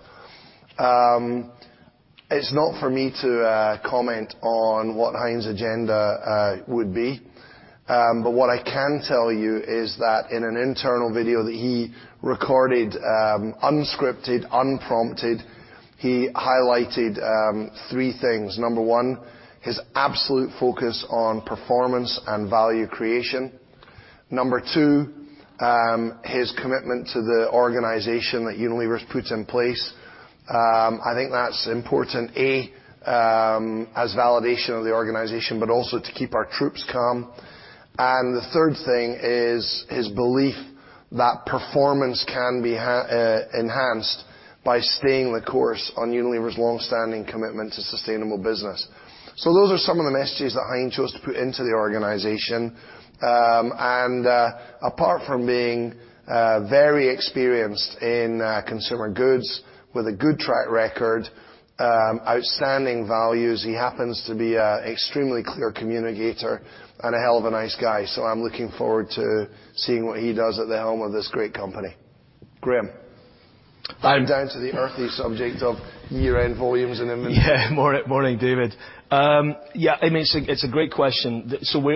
It's not for me to comment on what Hein's agenda would be. What I can tell you is that in an internal video that he recorded, unscripted, unprompted, he highlighted three things. Number one, his absolute focus on performance and value creation. Number two, his commitment to the organization that Unilever's put in place. I think that's important, A, as validation of the organization, but also to keep our troops calm. The third thing is his belief that performance can be enhanced by staying the course on Unilever's long-standing commitment to sustainable business. Those are some of the messages that Hein chose to put into the organization. Apart from being, very experienced in, consumer goods with a good track record, outstanding values, he happens to be a extremely clear communicator and a hell of a nice guy. I'm looking forward to seeing what he does at the helm of this great company. Graeme. Down to the earthy subject of year-end volumes and inventory. Yeah, morning, David. I mean, it's a great question.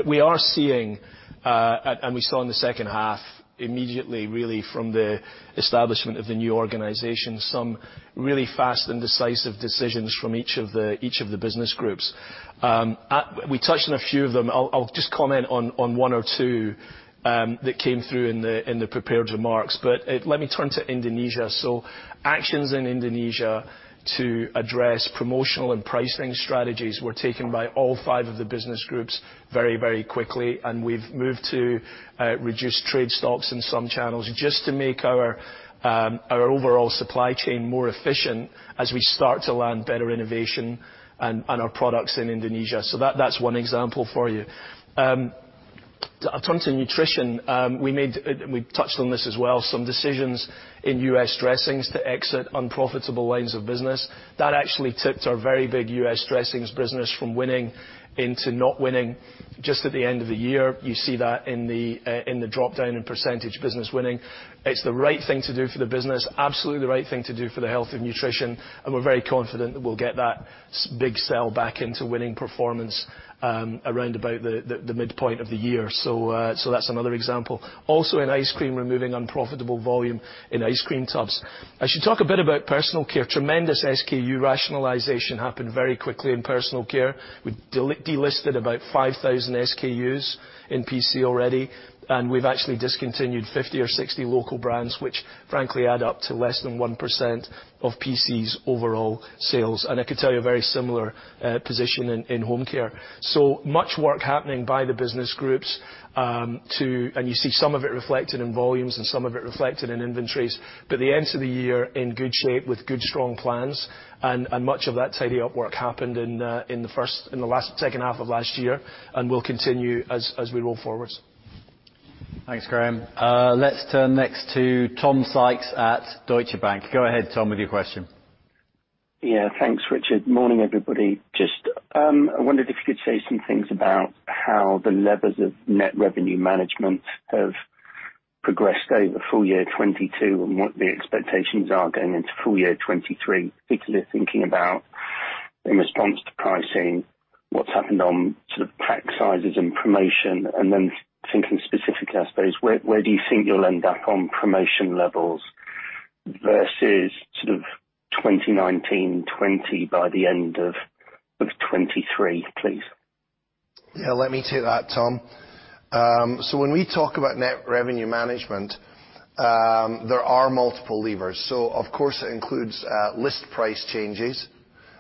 We are seeing, and we saw in the second half, immediately really from the establishment of the new organization, some really fast and decisive decisions from each of the business groups. We touched on a few of them. I'll just comment on one or two that came through in the prepared remarks. Let me turn to Indonesia. Actions in Indonesia to address promotional and pricing strategies were taken by all five of the business groups very, very quickly, and we've moved to reduce trade stocks in some channels just to make our overall supply chain more efficient as we start to land better innovation and our products in Indonesia. That's one example for you. I'll turn to Nutrition. We touched on this as well, some decisions in U.S. dressings to exit unprofitable lines of business. That actually tipped our very big U.S. dressings business from winning into not winning just at the end of the year. You see that in the dropdown in percentage business winning. It's the right thing to do for the business, absolutely the right thing to do for the health of Nutrition, and we're very confident that we'll get that big sell back into winning performance around about the midpoint of the year. That's another example. Also, in Ice Cream, removing unprofitable volume in Ice Cream tubs. I should talk a bit about Personal Care. Tremendous SKU rationalization happened very quickly in Personal Care. We delisted about 5,000 SKUs in PC already. We've actually discontinued 50 or 60 local brands, which frankly add up to less than 1% of PC's overall sales. I could tell you a very similar position in Home Care. Much work happening by the business groups to... You see some of it reflected in volumes and some of it reflected in inventories. The end to the year, in good shape with good, strong plans and much of that tidy up work happened in the second half of last year and will continue as we roll forward. Thanks, Graeme. Let's turn next to Tom Sykes at Deutsche Bank. Go ahead, Tom, with your question. Yeah, thanks, Richard. Morning, everybody. Just, I wondered if you could say some things about how the levers of net revenue management have progressed over full year 2022 and what the expectations are going into full year 2023, particularly thinking about in response to pricing, what's happened on sort of pack sizes and promotion, and then thinking specifically, I suppose, where do you think you'll end up on promotion levels versus sort of 2019, 2020 by the end of 2023, please? Yeah. Let me take that, Tom. When we talk about net revenue management, there are multiple levers. Of course it includes list price changes.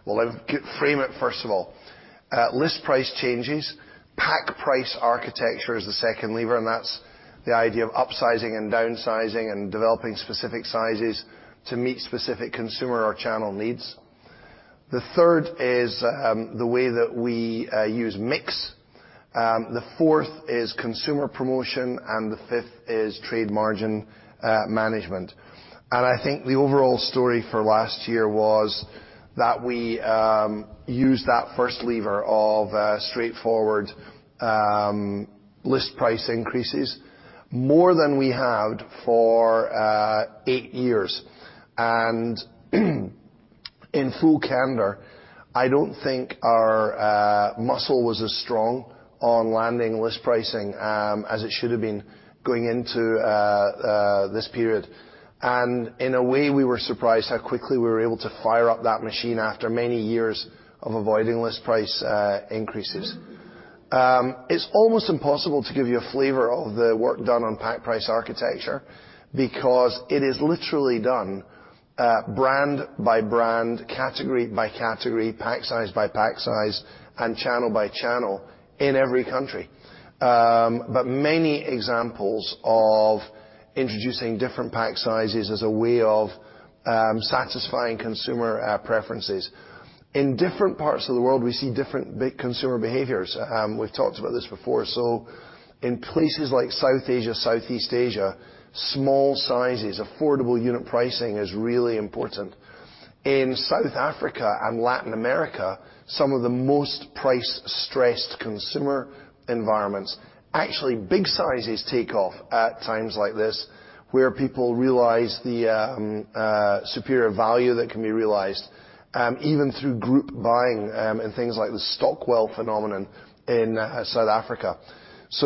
Let me frame it first of all. List price changes. Pack price architecture is the second lever, and that's the idea of upsizing and downsizing and developing specific sizes to meet specific consumer or channel needs. The third is the way that we use mix. The fourth is consumer promotion, and the fifth is trade margin management. I think the overall story for last year was that we used that first lever of straightforward list price increases more than we had for eight years. In full candor, I don't think our muscle was as strong on landing list pricing as it should have been going into this period. In a way, we were surprised how quickly we were able to fire up that machine after many years of avoiding list price increases. It's almost impossible to give you a flavor of the work done on pack price architecture because it is literally done brand by brand, category by category, pack size by pack size and channel by channel in every country. Many examples of introducing different pack sizes as a way of satisfying consumer preferences. In different parts of the world, we see different big consumer behaviors. We've talked about this before. In places like South Asia, Southeast Asia, small sizes, affordable unit pricing is really important. In South Africa and Latin America, some of the most price-stressed consumer environments, actually big sizes take off at times like this, where people realize the superior value that can be realized, even through group buying, and things like the Stockwell phenomenon in South Africa.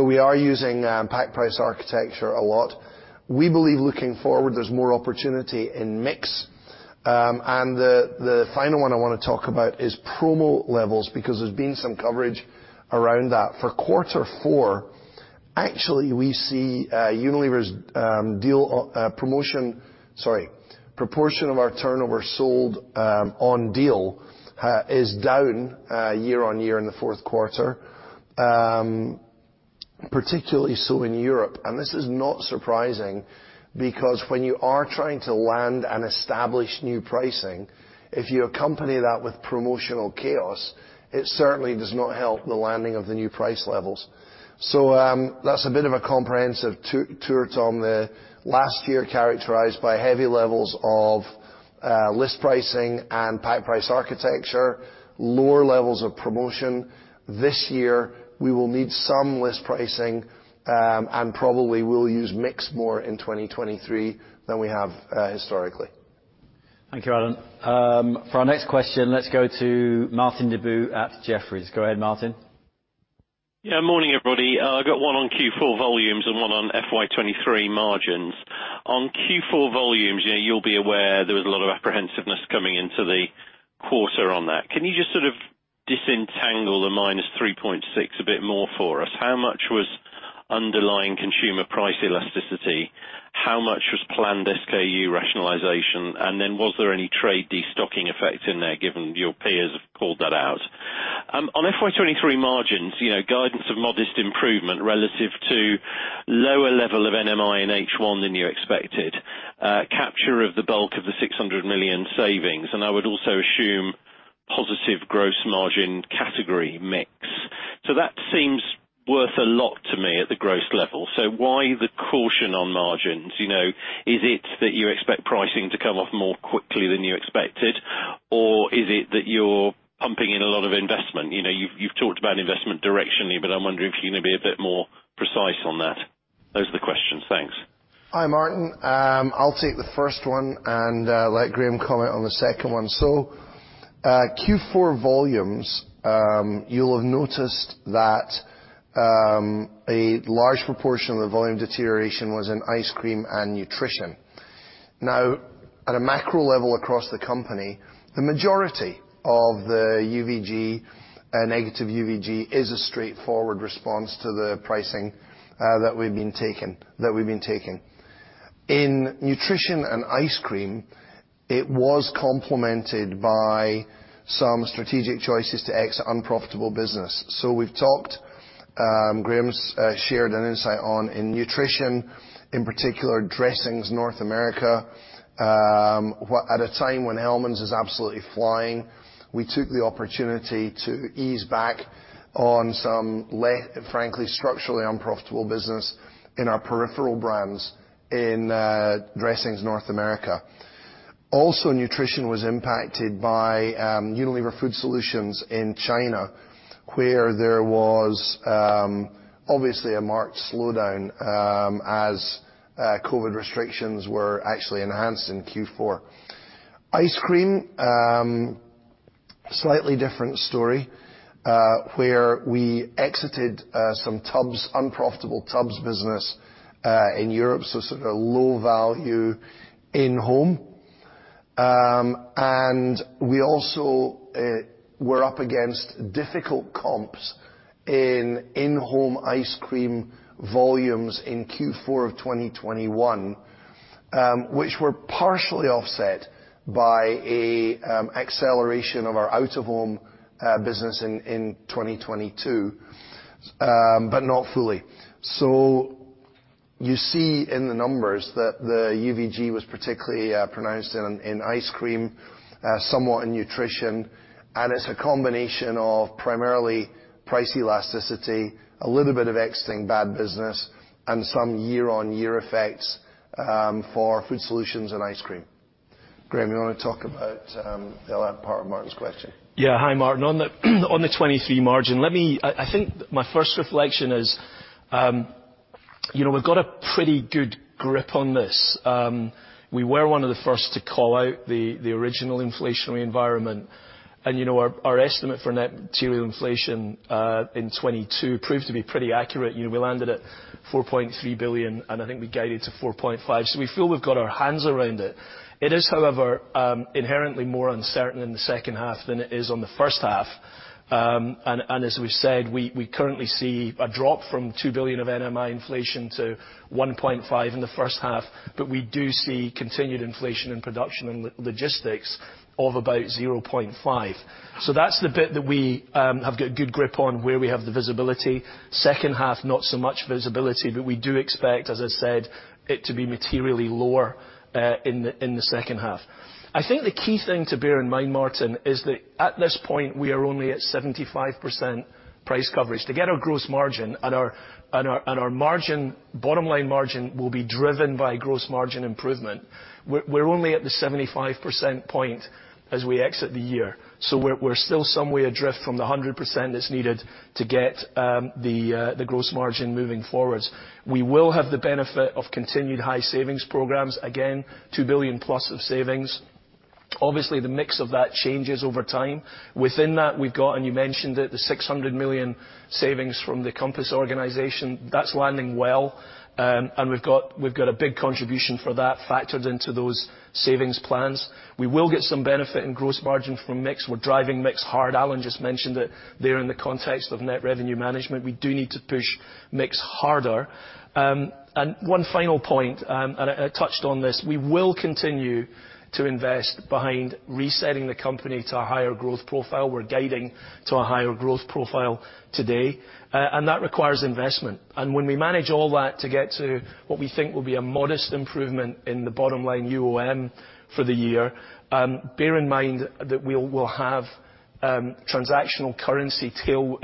We are using pack price architecture a lot. We believe looking forward, there's more opportunity in mix. The final one I wanna talk about is promo levels, because there's been some coverage around that. For quarter four, actually, we see Unilever's proportion of our turnover sold on deal is down year-on-year in the fourth quarter, particularly so in Europe. This is not surprising because when you are trying to land and establish new pricing, if you accompany that with promotional chaos, it certainly does not help the landing of the new price levels. That's a bit of a comprehensive tour, Tom. The last year characterized by heavy levels of, list pricing and pack price architecture, lower levels of promotion. This year, we will need some list pricing, and probably we'll use mix more in 2023 than we have, historically. Thank you, Alan. For our next question, let's go to Martin Deboo at Jefferies. Go ahead, Martin. Morning, everybody. I got one on Q4 volumes and one on FY 2023 margins. Q4 volumes, you know, you'll be aware there was a lot of apprehensiveness coming into the quarter on that. Can you just sort of disentangle the -3.6% a bit more for us? How much was underlying consumer price elasticity? How much was planned SKU rationalization? Was there any trade destocking effect in there, given your peers have called that out? FY 2023 margins, you know, guidance of modest improvement relative to lower level of NMI in H1 than you expected, capture of the bulk of the 600 million savings, and I would also assume positive gross margin category mix. That seems worth a lot to me at the gross level. Why the caution on margins? You know, is it that you expect pricing to come off more quickly than you expected? Is it that you're pumping in a lot of investment? You know, you've talked about investment directionally, but I'm wondering if you can be a bit more precise on that. Those are the questions. Thanks. Hi, Martin. I'll take the first one and let Graeme comment on the second one. Q4 volumes, you'll have noticed that a large proportion of the volume deterioration was in Ice Cream and Nutrition. At a macro level across the company, the majority of the UVG, negative UVG is a straightforward response to the pricing that we've been taking. In Nutrition and Ice Cream, it was complemented by some strategic choices to exit unprofitable business. We've talked, Graeme's shared an insight on in Nutrition, in particular, dressings North America. At a time when Hellmann's is absolutely flying, we took the opportunity to ease back on some less, frankly, structurally unprofitable business in our peripheral brands in dressings North America. Nutrition was impacted by Unilever Food Solutions in China, where there was obviously a marked slowdown as COVID restrictions were actually enhanced in Q4. Ice Cream, slightly different story, where we exited some tubs, unprofitable tubs business in Europe, so sort of low value in-home. We also were up against difficult comps in in-home Ice Cream volumes in Q4 of 2021, which were partially offset by a acceleration of our out-of-home business in 2022, not fully. You see in the numbers that the UVG was particularly pronounced in Ice Cream, somewhat in Nutrition, and it's a combination of primarily price elasticity, a little bit of exiting bad business, and some year-on-year effects for food solutions and Ice Cream. Graeme, you wanna talk about, the other part of Martin's question? Hi, Martin. On the 23 margin, I think my first reflection is, you know, we've got a pretty good grip on this. We were one of the first to call out the original inflationary environment. You know, our estimate for net material inflation in 2022 proved to be pretty accurate. You know, we landed at 4.3 billion, and I think we guided to 4.5 billion. We feel we've got our hands around it. It is, however, inherently more uncertain in the second half than it is on the first half. As we've said, we currently see a drop from 2 billion of NMI inflation to 1.5 billion in the first half. We do see continued inflation in production and logistics of about 0.5%. That's the bit that we have got a good grip on, where we have the visibility. Second half, not so much visibility, but we do expect, as I said, it to be materially lower in the second half. The key thing to bear in mind, Martin, is that at this point, we are only at 75% price coverage. To get our gross margin and our margin, bottom line margin will be driven by gross margin improvement. We're only at the 75% point as we exit the year, so we're still some way adrift from the 100% that's needed to get the gross margin moving forward. We will have the benefit of continued high savings programs, again, 2 billion+ of savings. Obviously, the mix of that changes over time. Within that, we've got, and you mentioned it, the 600 million savings from the Compass Organisation. That's landing well, and we've got a big contribution for that factored into those savings plans. We will get some benefit in gross margin from mix. We're driving mix hard. Alan just mentioned it there in the context of net revenue management. We do need to push mix harder. One final point, and I touched on this, we will continue to invest behind resetting the company to a higher growth profile. We're guiding to a higher growth profile today, and that requires investment. When we manage all that to get to what we think will be a modest improvement in the bottom line UOM for the year, bear in mind that we'll have transactional currency tail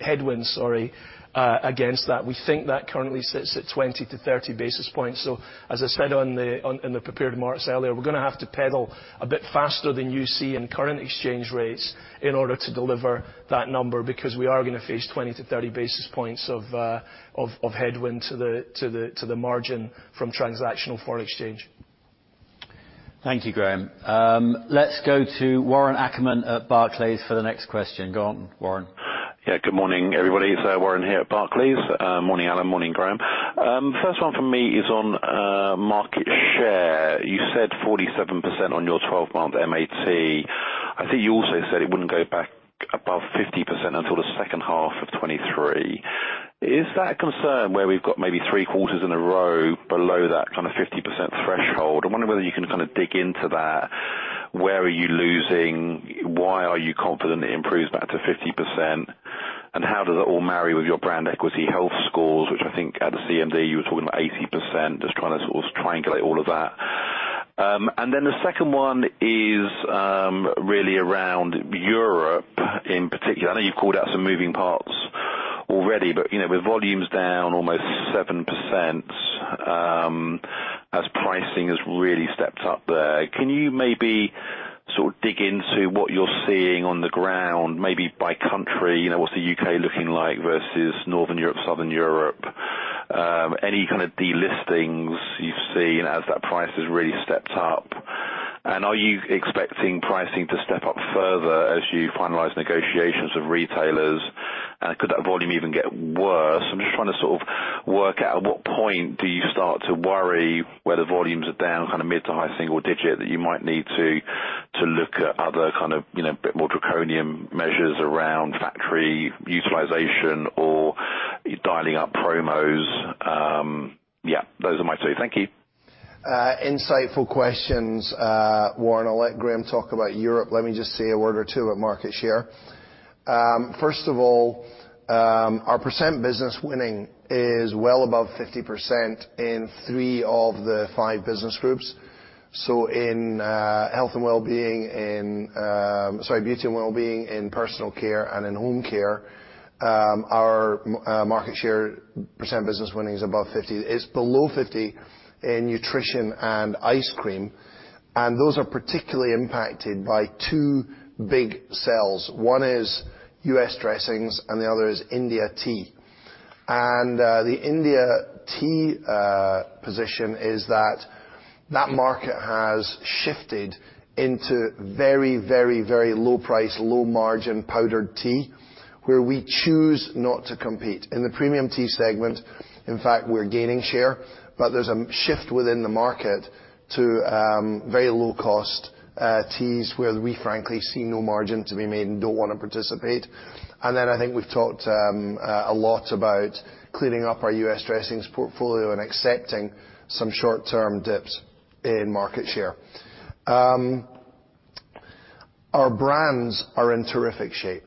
headwinds, sorry, against that. We think that currently sits at 20 to 30 basis points. As I said in the prepared remarks earlier, we're gonna have to pedal a bit faster than you see in current exchange rates in order to deliver that number, because we are gonna face 20 to 30 basis points of headwind to the margin from transactional foreign exchange. Thank you, Graeme. let's go to Warren Ackerman at Barclays for the next question. Go on, Warren. Yeah, good morning, everybody. It's Warren here at Barclays. Morning, Alan. Morning, Graeme. First one from me is on market share. You said 47% on your 12-month MAT. I think you also said it wouldn't go back above 50% until the second half of 2023. Is that a concern where we've got maybe three quarters in a row below that kind of 50% threshold? I wonder whether you can kind of dig into that. Where are you losing? Why are you confident it improves back to 50%? How does it all marry with your brand equity health scores, which I think at the CMD you were talking about 80%. Just trying to sort of triangulate all of that. The second one is really around Europe in particular. I know you've called out some moving parts already. You know, with volumes down almost 7%, as pricing has really stepped up there, can you maybe sort of dig into what you're seeing on the ground, maybe by country? You know, what's the U.K. looking like versus Northern Europe, Southern Europe? Any kind of delistings you've seen as that price has really stepped up? Are you expecting pricing to step up further as you finalize negotiations with retailers? Could that volume even get worse? I'm just trying to sort of work out at what point do you start to worry whether volumes are down kind of mid to high single digit that you might need to look at other kind of, you know, a bit more draconian measures around factory utilization or dialing up promos? Yeah, those are my two. Thank you. Insightful questions, Warren. I'll let Graeme talk about Europe. Let me just say a word or two about market share. First of all, our percent business winning is well above 50% in three of the five business groups. In Health & Wellbeing, in... Sorry, Beauty & Wellbeing, in Personal Care, and in Home Care, our market share percent business winning is above 50. It's below 50 in Nutrition and Ice Cream, and those are particularly impacted by two big sells. One is U.S. dressings and the other is India tea. The India tea position is that that market has shifted into very, very, very low price, low margin powdered tea, where we choose not to compete. In the premium tea segment, in fact, we're gaining share, but there's a shift within the market to very low-cost teas where we frankly see no margin to be made and don't want to participate. I think we've talked a lot about cleaning up our U.S. dressings portfolio and accepting some short-term dips in market share. Our brands are in terrific shape.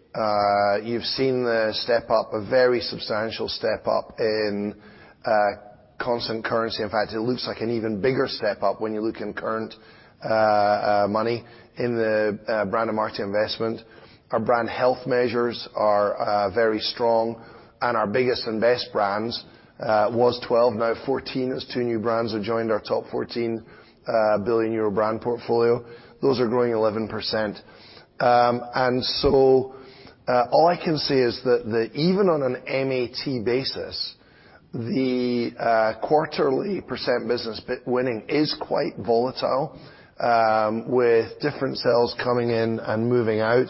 You've seen the step-up, a very substantial step-up in constant currency. In fact, it looks like an even bigger step-up when you look in current money in the brand and market investment. Our brand health measures are very strong, and our biggest and best brands was 12, now 14 as two new brands have joined our top 14 1 billion euro brand portfolio. Those are growing 11%. All I can say is that even on an MAT basis, the quarterly percent business winning is quite volatile with different sells coming in and moving out.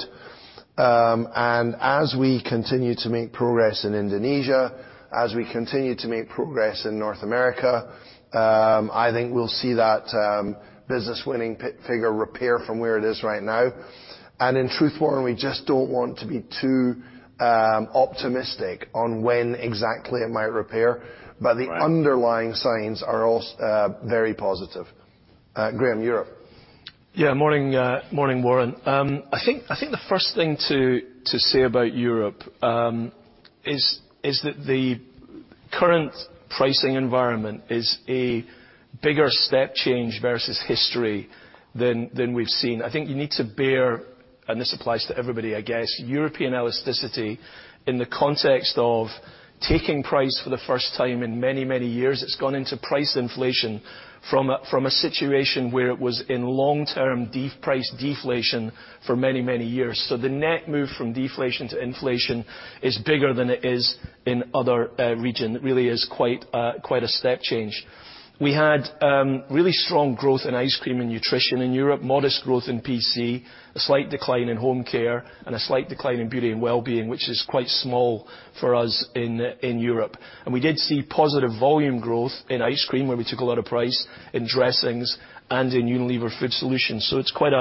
As we continue to make progress in Indonesia, as we continue to make progress in North America, I think we'll see that business winning figure repair from where it is right now. In truth, Warren, we just don't want to be too optimistic on when exactly it might repair. Right. The underlying signs are very positive. Graeme, Europe. Yeah. Morning, morning, Warren. I think the first thing to say about Europe is that the current pricing environment is a bigger step change versus history than we've seen. I think you need to bear, and this applies to everybody, I guess, European elasticity in the context of taking price for the first time in many, many years. It's gone into price inflation from a situation where it was in long-term price deflation for many, many years. The net move from deflation to inflation is bigger than it is in other region. It really is quite a step change. We had really strong growth in Ice Cream and Nutrition in Europe, modest growth in PC, a slight decline in Home Care, and a slight decline in Beauty & Wellbeing, which is quite small for us in Europe. We did see positive volume growth in Ice Cream, where we took a lot of price, in dressings and in Unilever Food Solutions. It's quite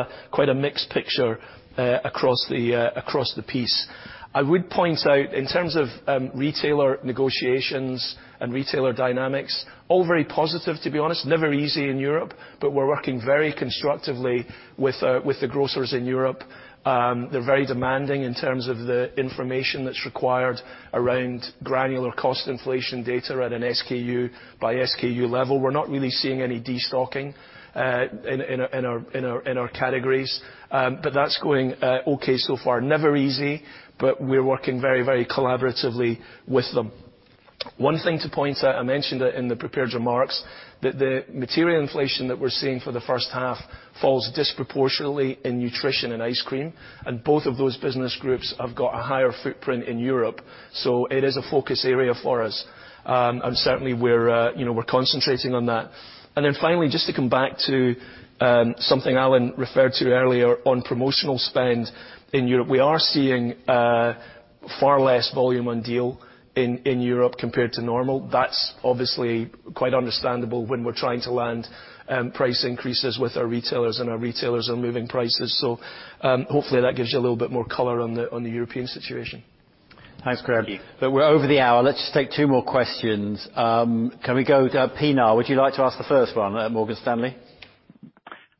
a mixed picture across the piece. I would point out in terms of retailer negotiations and retailer dynamics, all very positive, to be honest. Never easy in Europe, but we're working very constructively with the grocers in Europe. They're very demanding in terms of the information that's required around granular cost inflation data at an SKU-by-SKU level. We're not really seeing any destocking in our categories. That's going okay so far. Never easy, we're working very collaboratively with them. One thing to point out, I mentioned it in the prepared remarks, that the material inflation that we're seeing for the first half falls disproportionately in Nutrition and Ice Cream. Both of those business groups have got a higher footprint in Europe, it is a focus area for us. Certainly we're, you know, we're concentrating on that. Finally, just to come back to something Alan referred to earlier on promotional spend in Europe, we are seeing far less volume on deal in Europe compared to normal. That's obviously quite understandable when we're trying to land price increases with our retailers and our retailers are moving prices. Hopefully that gives you a little bit more color on the European situation. Thanks, Graeme. We're over the hour. Let's just take two more questions. Can we go to Pinar? Would you like to ask the first one, at Morgan Stanley?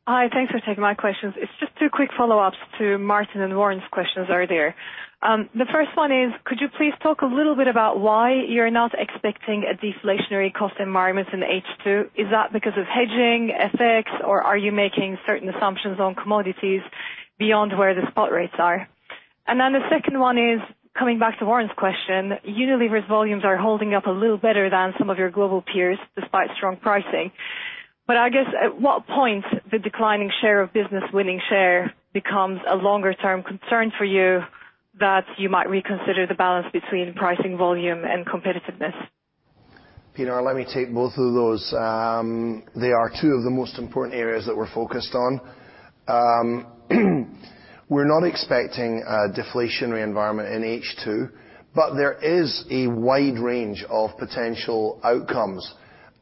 Hi. Thanks for taking my questions. It's just two quick follow-ups to Martin and Warren's questions earlier. The first one is, could you please talk a little bit about why you're not expecting a deflationary cost environment in H2? Is that because of hedging, FX, or are you making certain assumptions on commodities beyond where the spot rates are? The second one is, coming back to Warren's question, Unilever's volumes are holding up a little better than some of your global peers, despite strong pricing. I guess, at what point the declining share of business winning share becomes a longer term concern for you that you might reconsider the balance between pricing volume and competitiveness? Pinar, let me take both of those. They are two of the most important areas that we're focused on. We're not expecting a deflationary environment in H2, but there is a wide range of potential outcomes,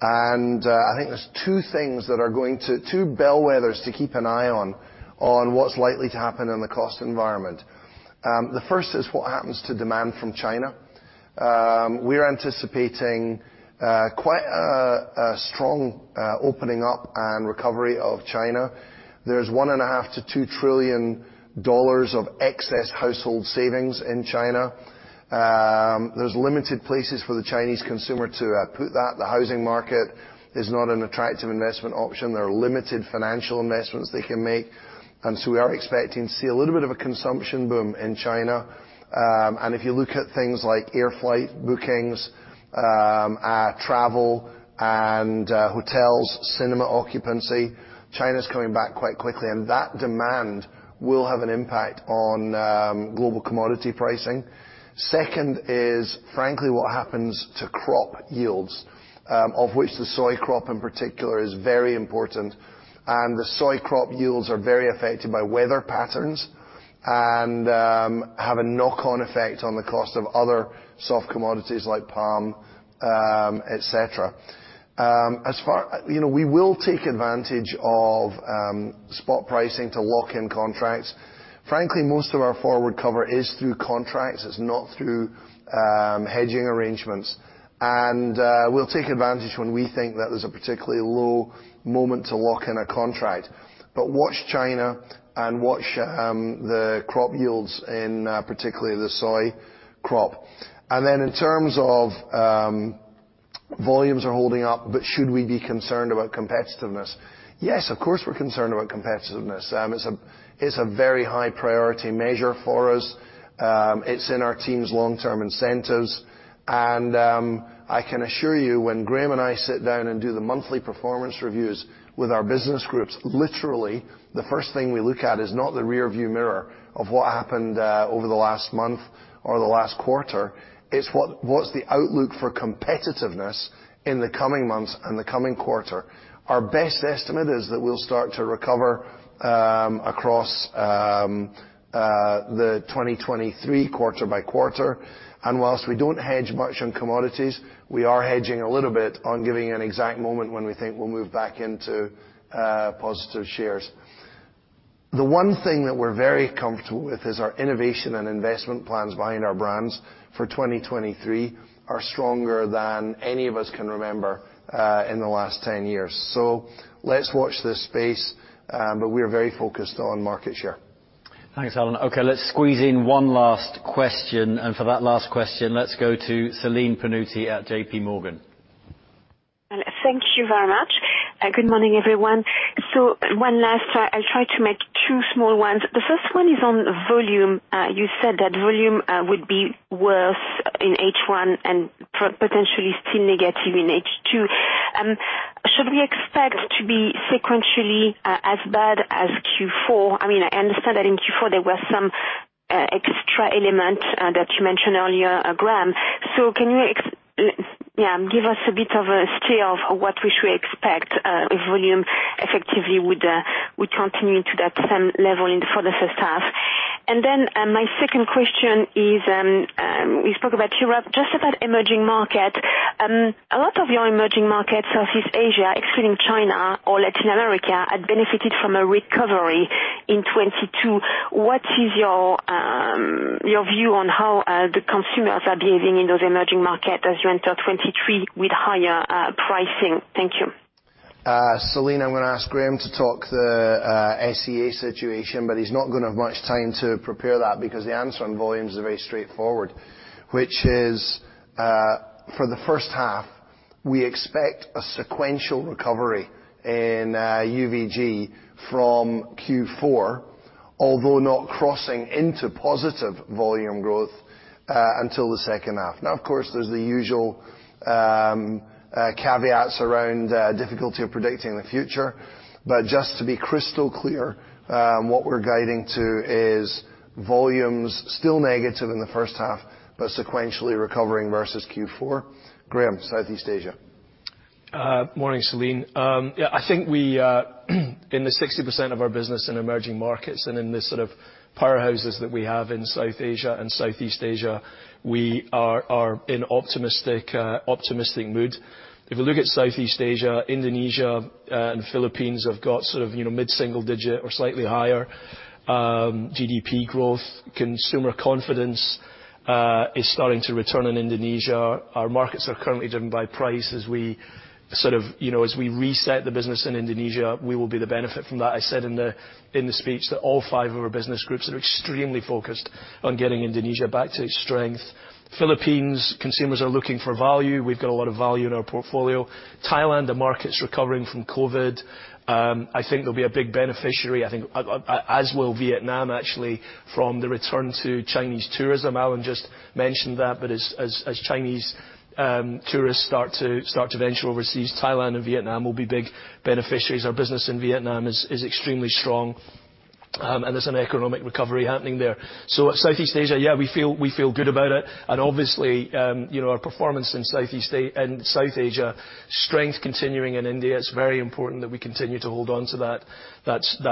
and I think there's two bellwethers to keep an eye on what's likely to happen in the cost environment. The first is what happens to demand from China. We're anticipating quite a strong opening up and recovery of China. There's $1.5 trillion-$2 trillion of excess household savings in China. There's limited places for the Chinese consumer to put that. The housing market is not an attractive investment option. There are limited financial investments they can make, and so we are expecting to see a little bit of a consumption boom in China. If you look at things like air flight bookings, travel and hotels, cinema occupancy, China's coming back quite quickly, that demand will have an impact on global commodity pricing. Second is, frankly, what happens to crop yields, of which the soy crop in particular is very important. The soy crop yields are very affected by weather patterns and have a knock-on effect on the cost of other soft commodities like palm, et cetera. You know, we will take advantage of spot pricing to lock in contracts. Frankly, most of our forward cover is through contracts. It's not through hedging arrangements. We'll take advantage when we think that there's a particularly low moment to lock in a contract. Watch China and watch the crop yields in particularly the soy crop. In terms of volumes are holding up, should we be concerned about competitiveness? Yes, of course, we're concerned about competitiveness. It's a very high priority measure for us. It's in our team's long-term incentives. I can assure you when Graeme and I sit down and do the monthly performance reviews with our business groups, literally, the first thing we look at is not the rearview mirror of what happened over the last month or the last quarter, it's what's the outlook for competitiveness in the coming months and the coming quarter. Our best estimate is that we'll start to recover across the 2023 quarter by quarter. Whilst we don't hedge much on commodities, we are hedging a little bit on giving an exact moment when we think we'll move back into positive shares. The one thing that we're very comfortable with is our innovation and investment plans behind our brands for 2023 are stronger than any of us can remember in the last 10 years. Let's watch this space, but we're very focused on market share. Thanks, Alan. Okay, let's squeeze in one last question. For that last question, let's go to Celine Pannuti at JPMorgan. Thank you very much. Good morning, everyone. One last try. I'll try to make two small ones. The first one is on volume. You said that volume would be worse in H1 and potentially still negative in H2. Should we expect to be sequentially as bad as Q4? I mean, I understand that in Q4, there were some extra elements that you mentioned earlier, Graeme. Can you yeah, give us a bit of a scale of what we should expect if volume effectively would continue to that same level in, for the first half. My second question is, we spoke about Europe, just about emerging market. A lot of your emerging markets, Southeast Asia, excluding China or Latin America, had benefited from a recovery in 2022. What is your view on how the consumers are behaving in those emerging markets as you enter 2023 with higher pricing? Thank you. Celine, I'm going to ask Graeme to talk the SEA situation, but he's not going to have much time to prepare that because the answer on volume is very straightforward, which is, for the first half, we expect a sequential recovery in UVG from Q4, although not crossing into positive volume growth until the second half. Now, of course, there's the usual caveats around difficulty of predicting the future. Just to be crystal clear, what we're guiding to is volumes still negative in the first half, but sequentially recovering versus Q4. Graeme, Southeast Asia. Morning, Celine. Yeah, I think we, in the 60% of our business in emerging markets and in the sort of powerhouses that we have in South Asia and Southeast Asia, we are in optimistic mood. If you look at Southeast Asia, Indonesia, and Philippines have got sort of, you know, mid-single digit or slightly higher GDP growth. Consumer confidence is starting to return in Indonesia. Our markets are currently driven by price. As we sort of, you know, as we reset the business in Indonesia, we will be the benefit from that. I said in the speech that all five of our business groups are extremely focused on getting Indonesia back to its strength. Philippines, consumers are looking for value. We've got a lot of value in our portfolio. Thailand, the market's recovering from COVID. I think they'll be a big beneficiary, I think, as will Vietnam actually from the return to Chinese tourism. Alan just mentioned that. As Chinese tourists start to venture overseas, Thailand and Vietnam will be big beneficiaries. Our business in Vietnam is extremely strong, and there's an economic recovery happening there. Southeast Asia, yeah, we feel good about it. Obviously, you know, our performance in South Asia, strength continuing in India, it's very important that we continue to hold on to that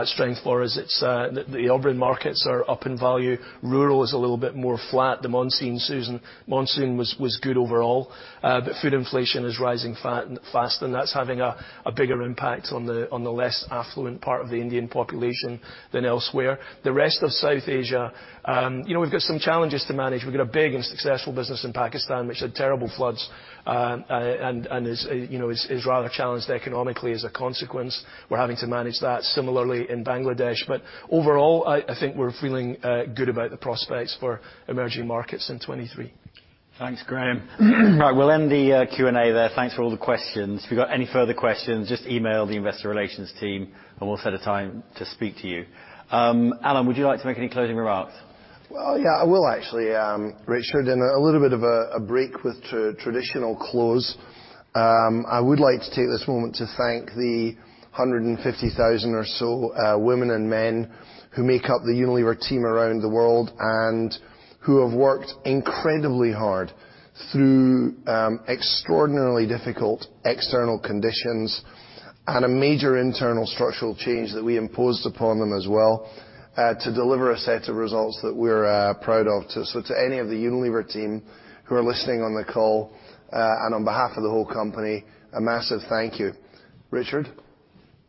strength for us. It's the urban markets are up in value. Rural is a little bit more flat. The monsoon, Susan, monsoon was good overall, but food inflation is rising fast, and that's having a bigger impact on the less affluent part of the Indian population than elsewhere. The rest of South Asia, you know, we've got some challenges to manage. We've got a big and successful business in Pakistan, which had terrible floods, and is, you know, is rather challenged economically as a consequence. We're having to manage that similarly in Bangladesh. Overall, I think we're feeling good about the prospects for emerging markets in 2023. Thanks, Graeme. All right, we'll end the Q&A there. Thanks for all the questions. If you've got any further questions, just email the investor relations team. We'll set a time to speak to you. Alan, would you like to make any closing remarks? Yeah, I will actually, Richard. In a little bit of a break with traditional close, I would like to take this moment to thank the 150,000 or so women and men who make up the Unilever team around the world and who have worked incredibly hard through extraordinarily difficult external conditions and a major internal structural change that we imposed upon them as well, to deliver a set of results that we're proud of. To any of the Unilever team who are listening on the call, and on behalf of the whole company, a massive thank you. Richard?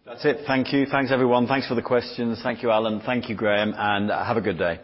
That's it. Thank you. Thanks, everyone. Thanks for the questions. Thank you, Alan. Thank you, Graeme, and have a good day.